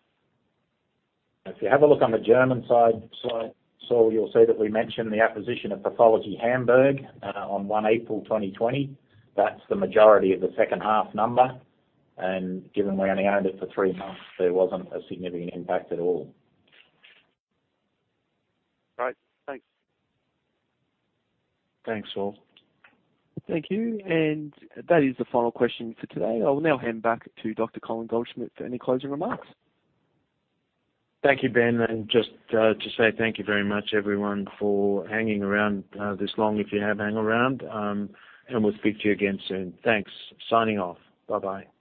If you have a look on the German side, Saul, you'll see that we mentioned the acquisition of Pathologie Hamburg on 1 April 2020. That's the majority of the second half number, and given we only owned it for three months, there wasn't a significant impact at all. Great. Thanks. Thanks, Saul. Thank you. That is the final question for today. I will now hand back to Dr. Colin Goldschmidt for any closing remarks. Thank you, Ben. Just to say thank you very much, everyone, for hanging around this long, if you have hung around, and we'll speak to you again soon. Thanks. Signing off. Bye-bye. Thanks.